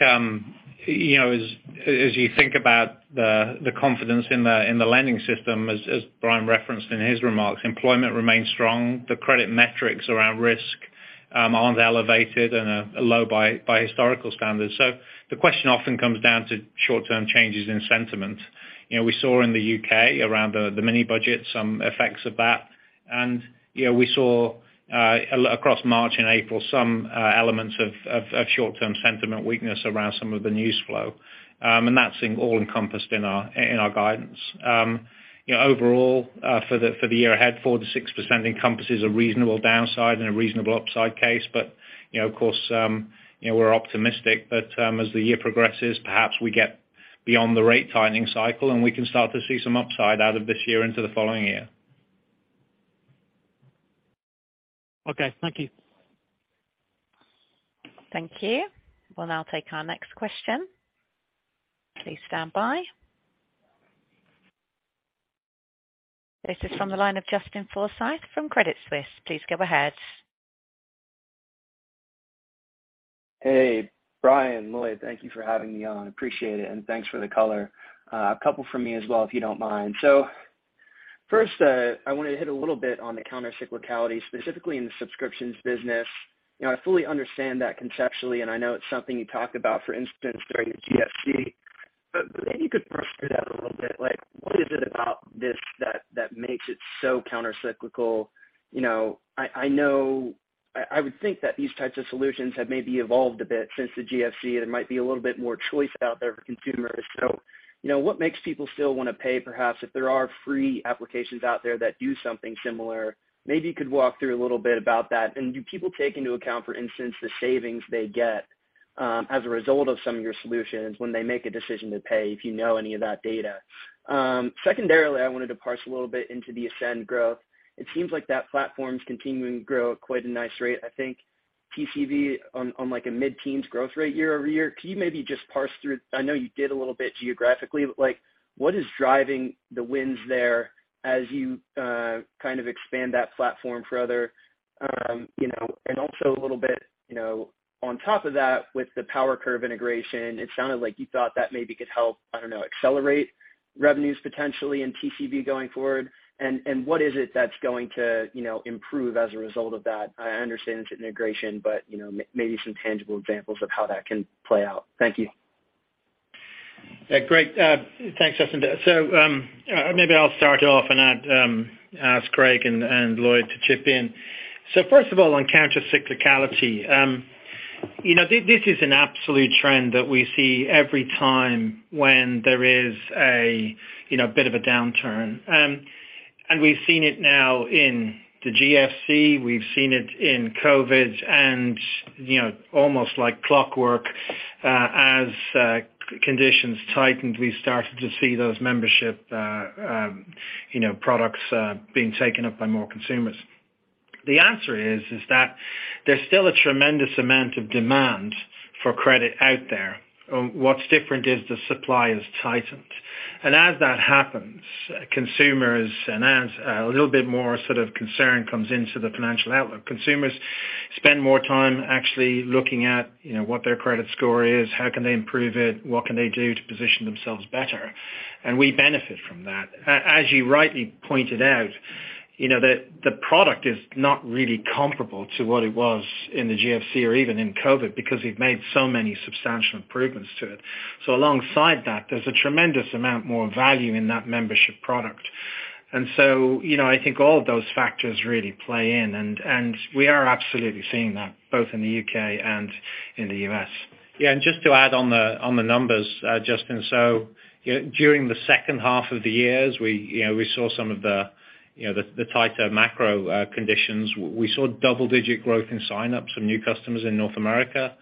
B: you know, as you think about the confidence in the lending system, as Brian referenced in his remarks, employment remains strong. The credit metrics around risk aren't elevated and are low by historical standards. The question often comes down to short-term changes in sentiment. You know, we saw in the U.K. around the mini budget some effects of that. You know, we saw across March and April some elements of short-term sentiment weakness around some of the news flow. That's been all encompassed in our guidance. You know, overall, for the year ahead, 4%-6% encompasses a reasonable downside and a reasonable upside case. you know, of course, you know, we're optimistic that, as the year progresses, perhaps we get beyond the rate tightening cycle, and we can start to see some upside out of this year into the following year.
G: Okay. Thank you.
C: Thank you. We'll now take our next question. Please stand by. This is from the line of Justin Forsythe from Credit Suisse. Please go ahead.
H: Hey, Brian, Lloyd, thank you for having me on. Appreciate it, and thanks for the color. A couple from me as well, if you don't mind. First, I wanted to hit a little bit on the countercyclicality, specifically in the subscriptions business. You know, I fully understand that conceptually, and I know it's something you talk about, for instance, during the GFC, but maybe you could brush through that a little bit. Like, what is it about this that makes it so countercyclical? You know, I know I would think that these types of solutions have maybe evolved a bit since the GFC. There might be a little bit more choice out there for consumers. You know, what makes people still wanna pay, perhaps, if there are free applications out there that do something similar? Maybe you could walk through a little bit about that. Do people take into account, for instance, the savings they get, as a result of some of your solutions when they make a decision to pay, if you know any of that data? Secondarily, I wanted to parse a little bit into the Ascend growth. It seems like that platform's continuing to grow at quite a nice rate. I think TCV on like a mid-teens growth rate year-over-year. Can you maybe just parse through, I know you did a little bit geographically, but, like, what is driving the wins there as you, kind of expand that platform for other, you know? Also a little bit, you know, on top of that, with the PowerCurve integration, it sounded like you thought that maybe could help, I don't know, accelerate revenues potentially in TCV going forward. What is it that's going to, you know, improve as a result of that? I understand it's integration, but, you know, maybe some tangible examples of how that can play out. Thank you.
A: Yeah, great. Thanks, Justin. Maybe I'll start off and ask Craig and Lloyd to chip in. First of all, on countercyclicality, you know, this is an absolute trend that we see every time when there is a, you know, bit of a downturn. We've seen it now in the GFC. We've seen it in COVID and, you know, almost like clockwork, as conditions tightened, we started to see those membership, you know, products, being taken up by more consumers. The answer is that there's still a tremendous amount of demand for credit out there. What's different is the supply has tightened. As that happens, consumers and as a little bit more sort of concern comes into the financial outlook, consumers spend more time actually looking at, you know, what their credit score is, how can they improve it, what can they do to position themselves better? As you rightly pointed out, you know, the product is not really comparable to what it was in the GFC or even in COVID because we've made so many substantial improvements to it. Alongside that, there's a tremendous amount more value in that membership product. You know, I think all of those factors really play in, and we are absolutely seeing that both in the U.K. and in the U.S.
B: Just to add on the, on the numbers, Justin, so, you know, during the second half of the years, we, you know, we saw some of the, you know, the tighter macro conditions. We saw double-digit growth in signups from new customers in North America.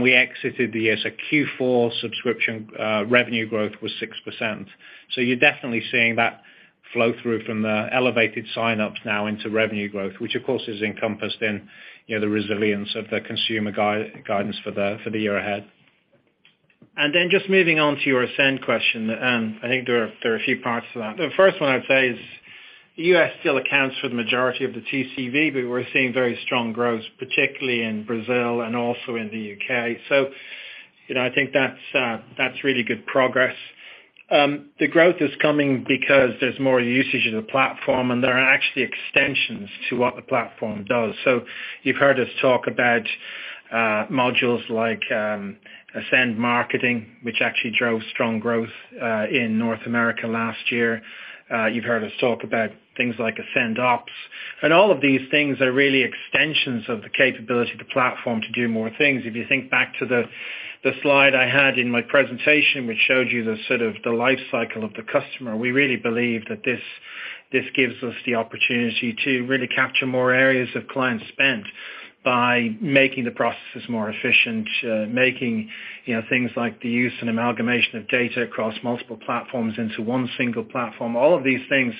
B: We exited the year, so Q4 subscription revenue growth was 6%. You're definitely seeing that flow through from the elevated signups now into revenue growth, which of course is encompassed in, you know, the resilience of the consumer guidance for the year ahead.
A: Just moving on to your Ascend question. I think there are a few parts to that. The first one I'd say is U.S. still accounts for the majority of the TCV, but we're seeing very strong growth, particularly in Brazil and also in the U.K. You know, I think that's really good progress. The growth is coming because there's more usage of the platform, and there are actually extensions to what the platform does. You've heard us talk about modules like Ascend Marketing, which actually drove strong growth in North America last year. You've heard us talk about things like Ascend Ops. All of these things are really extensions of the capability of the platform to do more things. If you think back to the slide I had in my presentation, which showed you the sort of the life cycle of the customer, we really believe that this gives us the opportunity to really capture more areas of client spend by making the processes more efficient, making, you know, things like the use and amalgamation of data across multiple platforms into one single platform. All of these things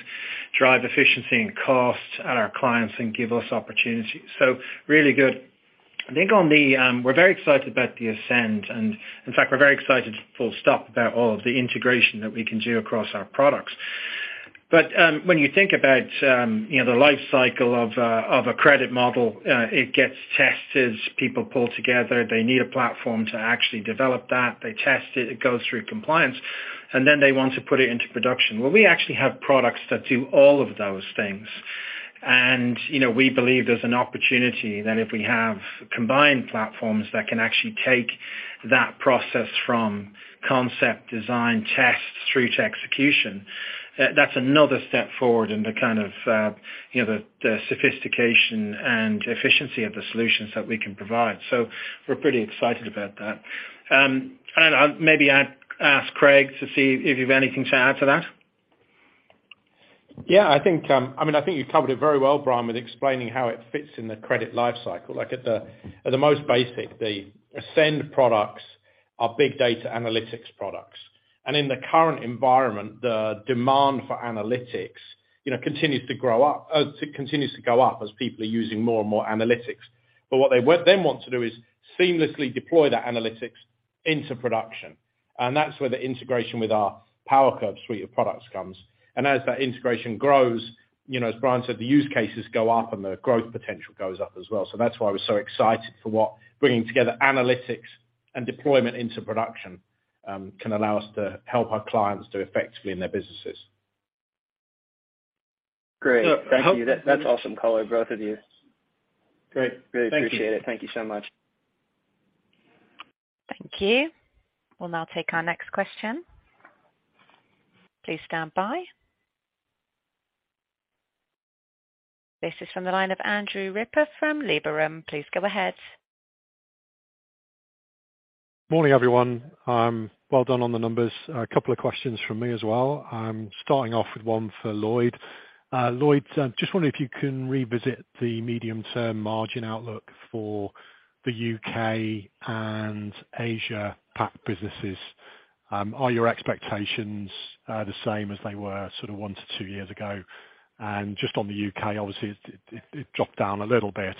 A: drive efficiency and cost at our clients and give us opportunities. Really good. I think on the. We're very excited about the Ascend, and in fact we're very excited full stop about all of the integration that we can do across our products. When you think about, you know, the life cycle of a credit model, it gets tested, people pull together, they need a platform to actually develop that. They test it goes through compliance, then they want to put it into production. We actually have products that do all of those things. You know, we believe there's an opportunity that if we have combined platforms that can actually take that process from concept, design, test through to execution, that's another step forward in the kind of, you know, the sophistication and efficiency of the solutions that we can provide. We're pretty excited about that. I'll maybe I'd ask Craig to see if you've anything to add to that.
E: I mean, I think you covered it very well, Brian, with explaining how it fits in the credit life cycle. Like at the most basic, the Ascend products are big data analytics products. In the current environment, the demand for analytics, you know, continues to grow up, continues to go up as people are using more and more analytics. But what they then want to do is seamlessly deploy that analytics into production. That's where the integration with our PowerCurve suite of products comes. As that integration grows, you know, as Brian said, the use cases go up and the growth potential goes up as well. That's why we're so excited for what bringing together analytics and deployment into production, can allow us to help our clients do effectively in their businesses.
H: Great. Thank you. That's awesome color, both of you.
A: Great. Thank you.
H: Really appreciate it. Thank you so much.
C: Thank you. We'll now take our next question. Please stand by. This is from the line of Andrew Ripper from Liberum. Please go ahead.
I: Morning, everyone. Well done on the numbers. A couple of questions from me as well. I'm starting off with one for Lloyd. Lloyd, just wondering if you can revisit the medium-term margin outlook for the U.K. and Asia PAC businesses. Are your expectations the same as they were sort of 1-2 years ago? Just on the U.K., obviously it dropped down a little bit.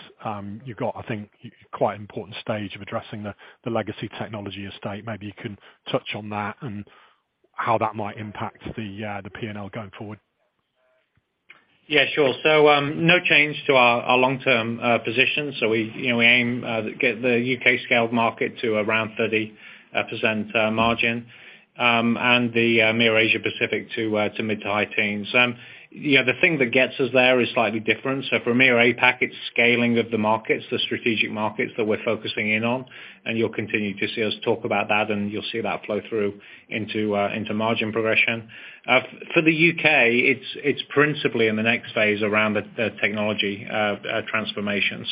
I: You've got, I think, quite an important stage of addressing the legacy technology estate. Maybe you can touch on that and how that might impact the P&L going forward.
B: Yeah, sure. No change to our long term position. We, you know, we aim to get the U.K. scaled market to around 30% margin. The EMEA Asia Pacific to mid-to-high teens. Yeah, the thing that gets us there is slightly different. For EMEA APAC, it's scaling of the markets, the strategic markets that we're focusing in on, and you'll continue to see us talk about that, and you'll see that flow through into margin progression. For the U.K., it's principally in the next phase around the technology transformation.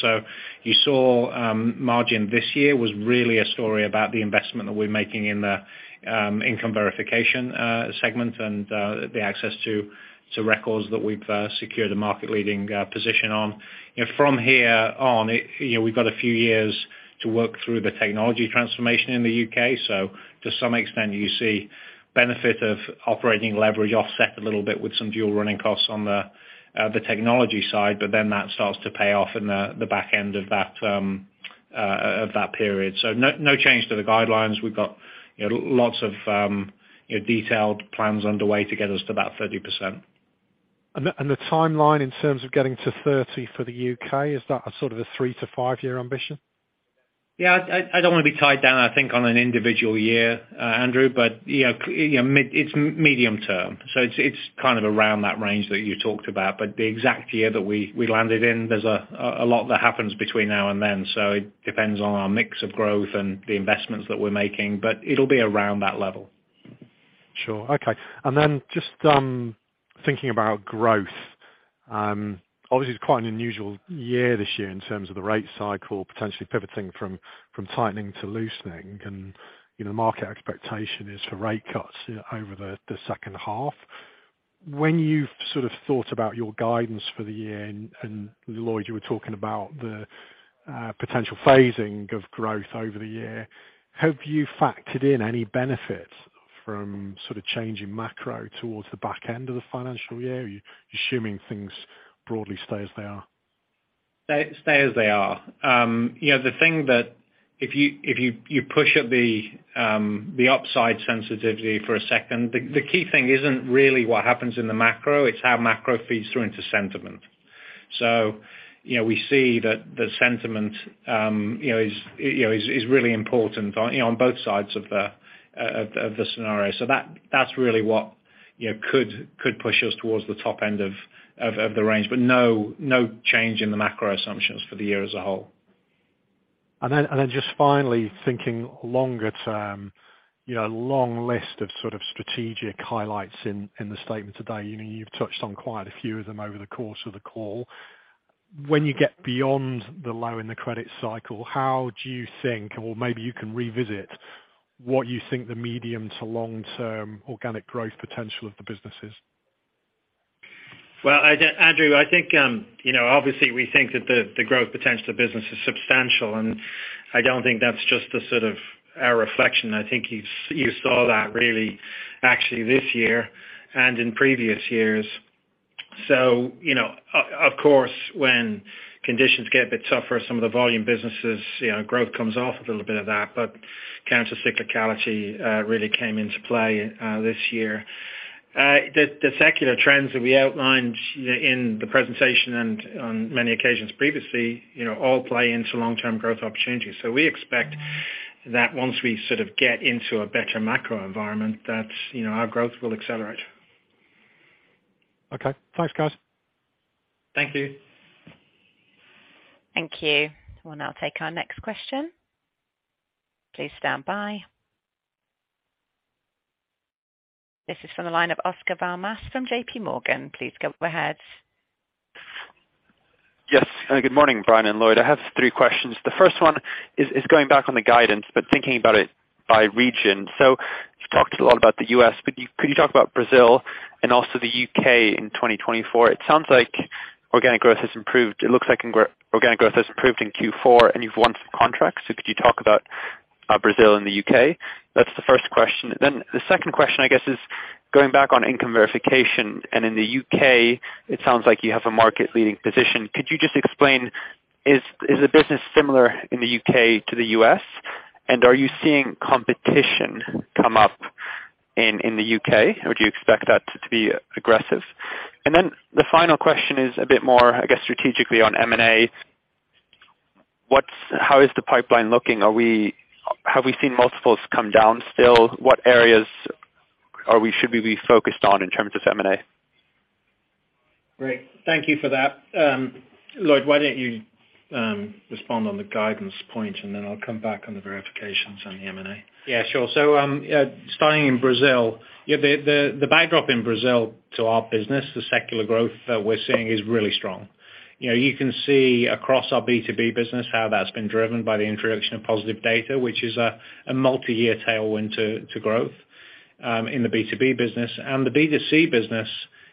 B: You saw, margin this year was really a story about the investment that we're making in the income verification segment and the access to records that we've secured a market-leading position on. You know, from here on, you know, we've got a few years to work through the technology transformation in the U.K. To some extent, you see benefit of operating leverage offset a little bit with some dual running costs on the technology side. That starts to pay off in the back end of that period. No, no change to the guidelines. We've got, you know, lots of, you know, detailed plans underway to get us to that 30%.
I: The timeline in terms of getting to 30 for the U.K., is that a sort of a 3-5 year ambition?
B: Yeah. I don't wanna be tied down, I think, on an individual year, Andrew, but, you know, it's medium term. It's, it's kind of around that range that you talked about. The exact year that we landed in, there's a lot that happens between now and then. It depends on our mix of growth and the investments that we're making, but it'll be around that level.
I: Sure. Okay. Then just, thinking about growth, obviously it's quite an unusual year this year in terms of the rate cycle potentially pivoting from tightening to loosening. And, you know, market expectation is for rate cuts over the second half. When you've sort of thought about your guidance for the year and, Lloyd, you were talking about the, potential phasing of growth over the year, have you factored in any benefit from sort of changing macro towards the back end of the financial year? Are you assuming things broadly stay as they are?
B: Stay as they are. you know, the thing that if you push at the upside sensitivity for a second, the key thing isn't really what happens in the macro, it's how macro feeds through into sentiment. you know, we see that the sentiment, you know, is, you know, is really important on, you know, on both sides of the scenario. That's really what, you know, could push us towards the top end of the range. No change in the macro assumptions for the year as a whole.
I: Just finally thinking longer term, you know, long list of sort of strategic highlights in the statement today. You know, you've touched on quite a few of them over the course of the call. When you get beyond the low in the credit cycle, how do you think, or maybe you can revisit what you think the medium to long-term organic growth potential of the business is?
A: Well, Andrew, I think, you know, obviously we think that the growth potential of business is substantial, and I don't think that's just the sort of our reflection. I think you saw that really actually this year and in previous years. You know, of course, when conditions get a bit tougher, some of the volume businesses, you know, growth comes off a little bit of that. Counter cyclicality really came into play this year. The, the secular trends that we outlined, you know, in the presentation and on many occasions previously, you know, all play into long-term growth opportunities. We expect that once we sort of get into a better macro environment, that, you know, our growth will accelerate.
I: Okay. Thanks, guys.
A: Thank you.
C: Thank you. We'll now take our next question. Please stand by. This is from the line of Oscar Val Mas from JPMorgan. Please go ahead.
J: Yes. Good morning, Brian and Lloyd. I have three questions. The first one is going back on the guidance. Thinking about it by region. You've talked a lot about the U.S. Could you talk about Brazil and also the U.K. in 2024? It sounds like organic growth has improved. It looks like organic growth has improved in Q4, and you've won some contracts. Could you talk about Brazil and the U.K.? That's the first question. The second question, I guess, is going back on income verification, and in the U.K. it sounds like you have a market leading position. Could you just explain, is the business similar in the U.K. to the U.S., and are you seeing competition come up in the U.K.? Would you expect that to be aggressive? The final question is a bit more, I guess, strategically on M&A. How is the pipeline looking? Have we seen multiples come down still? What areas should we be focused on in terms of M&A?
A: Great. Thank you for that. Lloyd, why don't you respond on the guidance point, and then I'll come back on the verifications on the M&A.
B: Sure. Starting in Brazil. The backdrop in Brazil to our business, the secular growth that we're seeing is really strong. You know, you can see across our B2B business how that's been driven by the introduction of positive data, which is a multi-year tailwind to growth in the B2B business. The B2C business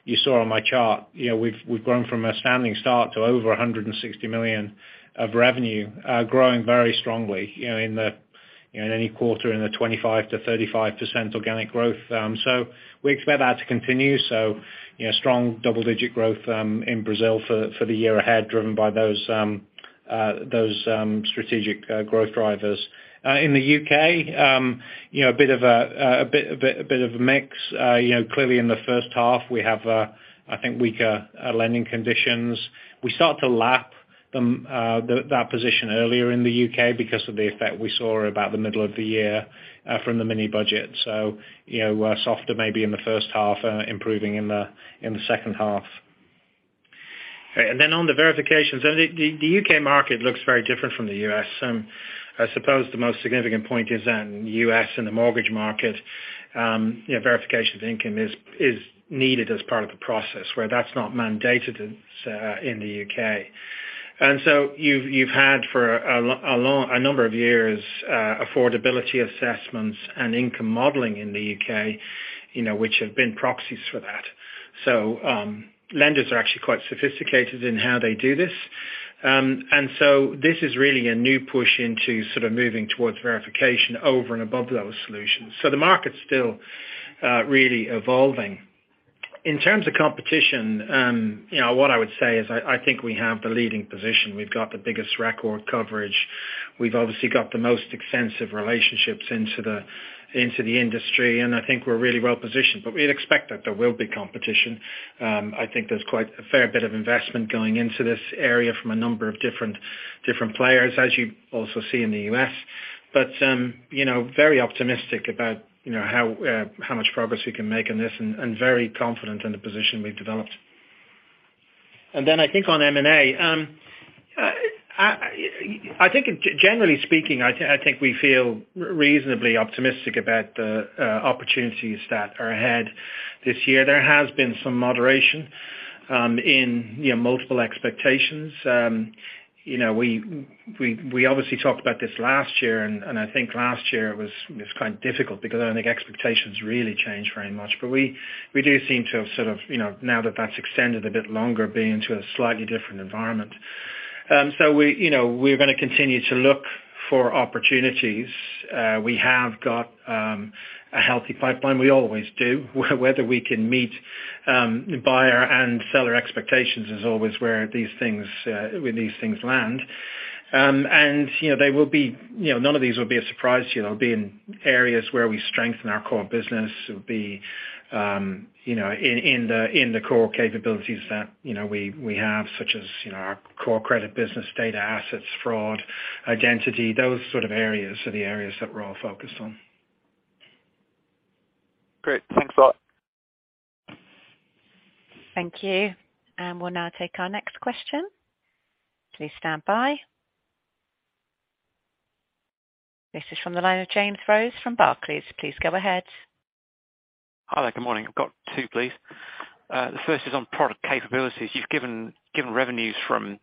B: you saw on my chart, you know, we've grown from a standing start to over $160 million of revenue, growing very strongly, you know, in any quarter in the 25%-35% organic growth. We expect that to continue. You know, strong double digit growth in Brazil for the year ahead, driven by those strategic growth drivers. In the U.K., you know, a bit of a mix. You know, clearly in the first half we have, I think weaker lending conditions. We start to lap them, that position earlier in the U.K. because of the effect we saw about the middle of the year from the mini budget. You know, softer maybe in the first half, improving in the second half.
A: Okay. On the verifications, the U.K. market looks very different from the U.S. I suppose the most significant point is the U.S. and the mortgage market, you know, verification of income is needed as part of the process, where that's not mandated in the U.K. You've had for a number of years, affordability assessments and income modeling in the U.K., you know, which have been proxies for that. Lenders are actually quite sophisticated in how they do this. This is really a new push into sort of moving towards verification over and above those solutions. The market's still really evolving. In terms of competition, you know, what I would say is I think we have the leading position. We've got the biggest record coverage. We've obviously got the most extensive relationships into the industry, and I think we're really well-positioned, but we'd expect that there will be competition. I think there's quite a fair bit of investment going into this area from a number of different players as you also see in the U.S. You know, very optimistic about, you know, how much progress we can make in this and very confident in the position we've developed. I think on M&A, I think generally speaking, I think we feel reasonably optimistic about the opportunities that are ahead this year. There has been some moderation, in, you know, multiple expectations. You know, we obviously talked about this last year and I think last year was kind of difficult because I don't think expectations really changed very much. We do seem to have sort of, you know, now that that's extended a bit longer, being to a slightly different environment. We, you know, we're gonna continue to look for opportunities. We have got a healthy pipeline. We always do. Whether we can meet, buyer and seller expectations is always where these things land. You know, they will be, you know, none of these will be a surprise. You know, they'll be in areas where we strengthen our core business. It'll be, you know, in the core capabilities that, you know, we have such as, you know, our core credit business, data assets, fraud, identity, those sort of areas are the areas that we're all focused on.
J: Great. Thanks a lot.
C: Thank you. We'll now take our next question. Please stand by. This is from the line of James Rose from Barclays. Please go ahead.
K: Hi there. Good morning. I've got two, please. The first is on product capabilities. You've given revenues from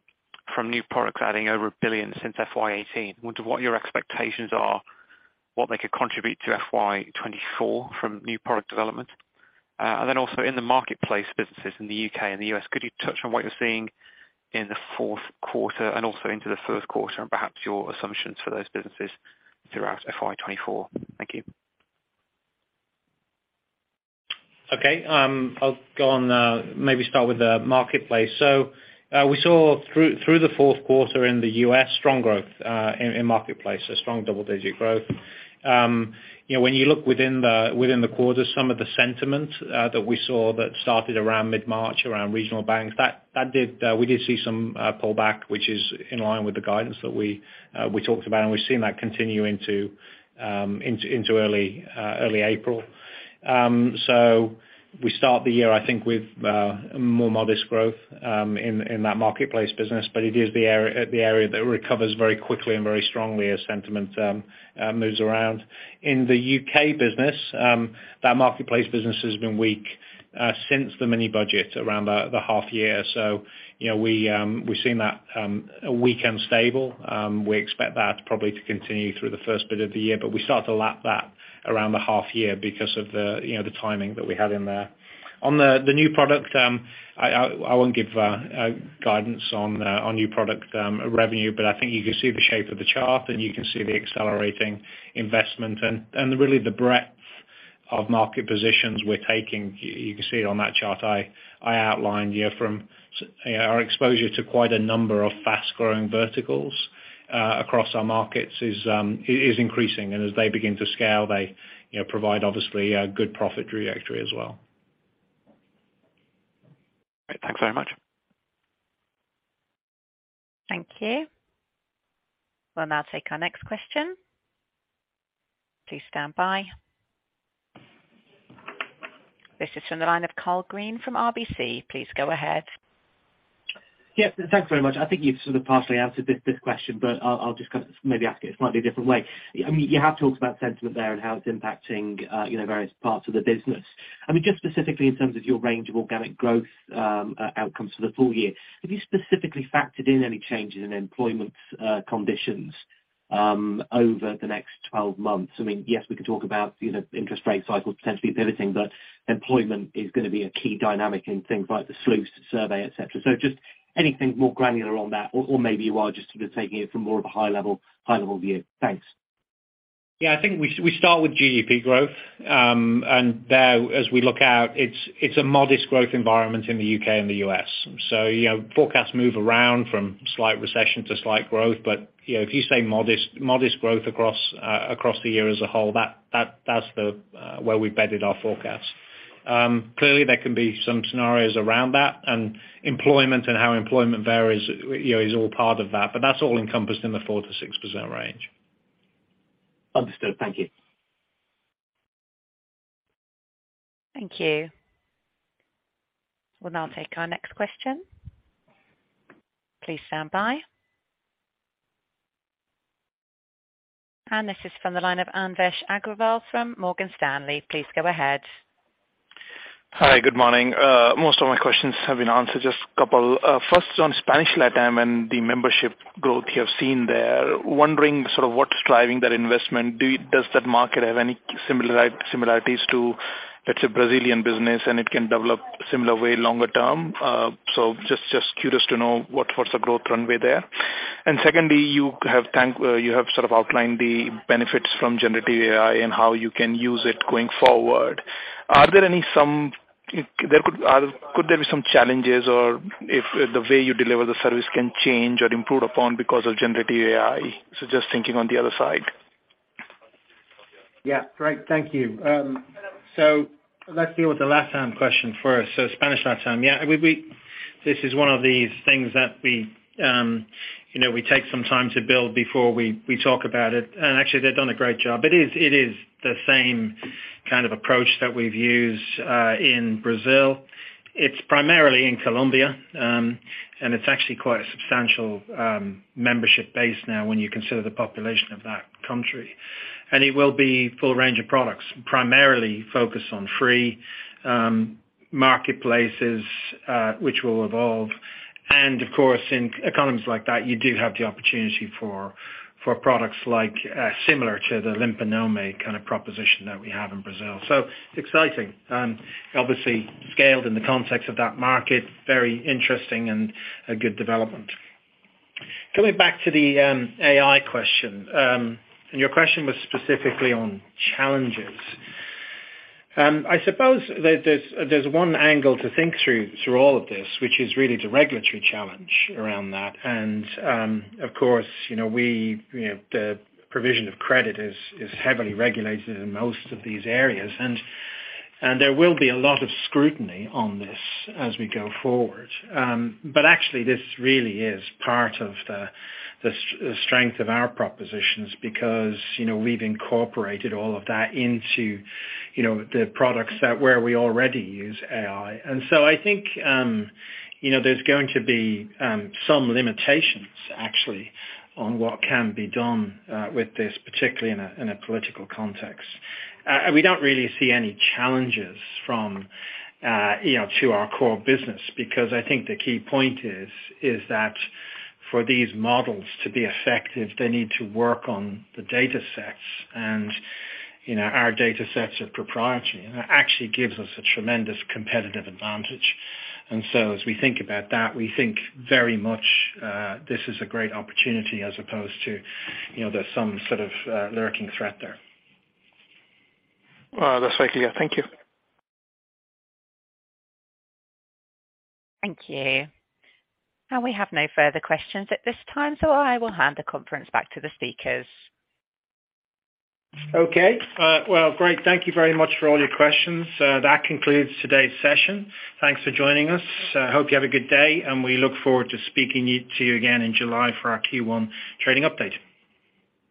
K: new products adding over $1 billion since FY 2018. Wonder what your expectations are, what they could contribute to FY 2024 from new product development. Then also in the marketplace businesses in the U.K. and the U.S., could you touch on what you're seeing in the fourth quarter and also into the first quarter and perhaps your assumptions for those businesses throughout FY 2024? Thank you.
B: Okay. I'll go on, maybe start with the Marketplace. We saw through the fourth quarter in the U.S. strong growth in Marketplace, a strong double-digit growth. You know, when you look within the quarter, some of the sentiment that we saw that started around mid-March around regional banks, that did, we did see some pullback, which is in line with the guidance that we talked about, and we've seen that continue into early April. We start the year, I think with more modest growth in that Marketplace business, but it is the area that recovers very quickly and very strongly as sentiment moves around. In the U.K. business, that marketplace business has been weak since the mini budget around the half year. You know, we've seen that weak and stable. We expect that probably to continue through the first bit of the year, but we start to lap that around the half year because of the, you know, the timing that we had in there. On the new product, I won't give guidance on new product revenue, but I think you can see the shape of the chart and you can see the accelerating investment and really the breadth of market positions we're taking. You can see it on that chart I outlined. You know, from our exposure to quite a number of fast-growing verticals, across our markets is increasing and as they begin to scale they, you know, provide obviously a good profit trajectory as well.
K: Great. Thanks very much.
C: Thank you. We'll now take our next question. Please stand by. This is from the line of Karl Green from RBC. Please go ahead.
L: Thanks very much. I think you've sort of partially answered this question, but I'll just kind of maybe ask it slightly a different way. I mean, you have talked about sentiment there and how it's impacting, you know, various parts of the business. I mean, just specifically in terms of your range of organic growth outcomes for the full year, have you specifically factored in any changes in employment conditions over the next 12 months? I mean, yes, we could talk about, you know, interest rate cycles potentially pivoting, but employment is gonna be a key dynamic in things like the SLOOS survey, et cetera. Just anything more granular on that or maybe you are just sort of taking it from more of a high level view. Thanks.
A: Yeah, I think we start with GDP growth. There as we look out, it's a modest growth environment in the U.K. and the U.S. You know, forecasts move around from slight recession to slight growth. You know, if you say modest growth across the year as a whole, where we've bedded our forecasts. Clearly there can be some scenarios around that and employment and how employment varies, you know, is all part of that's all encompassed in the 4%-6% range.
L: Understood. Thank you.
C: Thank you. We'll now take our next question. Please stand by. This is from the line of Anvesh Agrawal from Morgan Stanley. Please go ahead.
M: Hi. Good morning. Most of my questions have been answered, just a couple. First on Spanish Latam and the membership growth you have seen there. Wondering sort of what's driving that investment. Does that market have any similarities to, let's say, Brazilian business, and it can develop similar way longer term? Just, just curious to know what's the growth runway there. Secondly, you have sort of outlined the benefits from generative AI and how you can use it going forward. Are there any some... Could there be some challenges or if the way you deliver the service can change or improve upon because of generative AI? Just thinking on the other side.
A: Yeah. Great. Thank you. Let's deal with the Latam question first. Spanish Latam. Yeah. This is one of these things that we, you know, we take some time to build before we talk about it. Actually they've done a great job. It is the same kind of approach that we've used in Brazil. It's primarily in Colombia, and it's actually quite a substantial membership base now when you consider the population of that country. It will be full range of products, primarily focused on free marketplaces, which will evolve. Of course, in economies like that, you do have the opportunity for products like similar to the Limpa Nome kind of proposition that we have in Brazil. It's exciting. Obviously scaled in the context of that market, very interesting and a good development. Going back to the AI question, your question was specifically on challenges. I suppose there's one angle to think through all of this, which is really the regulatory challenge around that. Of course, you know, we, you know, the provision of credit is heavily regulated in most of these areas. There will be a lot of scrutiny on this as we go forward. Actually this really is part of the strength of our propositions because, you know, we've incorporated all of that into, you know, the products that where we already use AI. I think, you know, there's going to be some limitations actually on what can be done with this, particularly in a political context. We don't really see any challenges from, you know, to our core business, because I think the key point is that for these models to be effective, they need to work on the datasets. You know, our datasets are proprietary and that actually gives us a tremendous competitive advantage. As we think about that, we think very much, this is a great opportunity as opposed to, you know, there's some sort of lurking threat there.
M: That's very clear. Thank you.
C: Thank you. We have no further questions at this time, so I will hand the conference back to the speakers.
A: Okay. Well, great. Thank you very much for all your questions. That concludes today's session. Thanks for joining us. Hope you have a good day, and we look forward to speaking to you again in July for our Q1 trading update.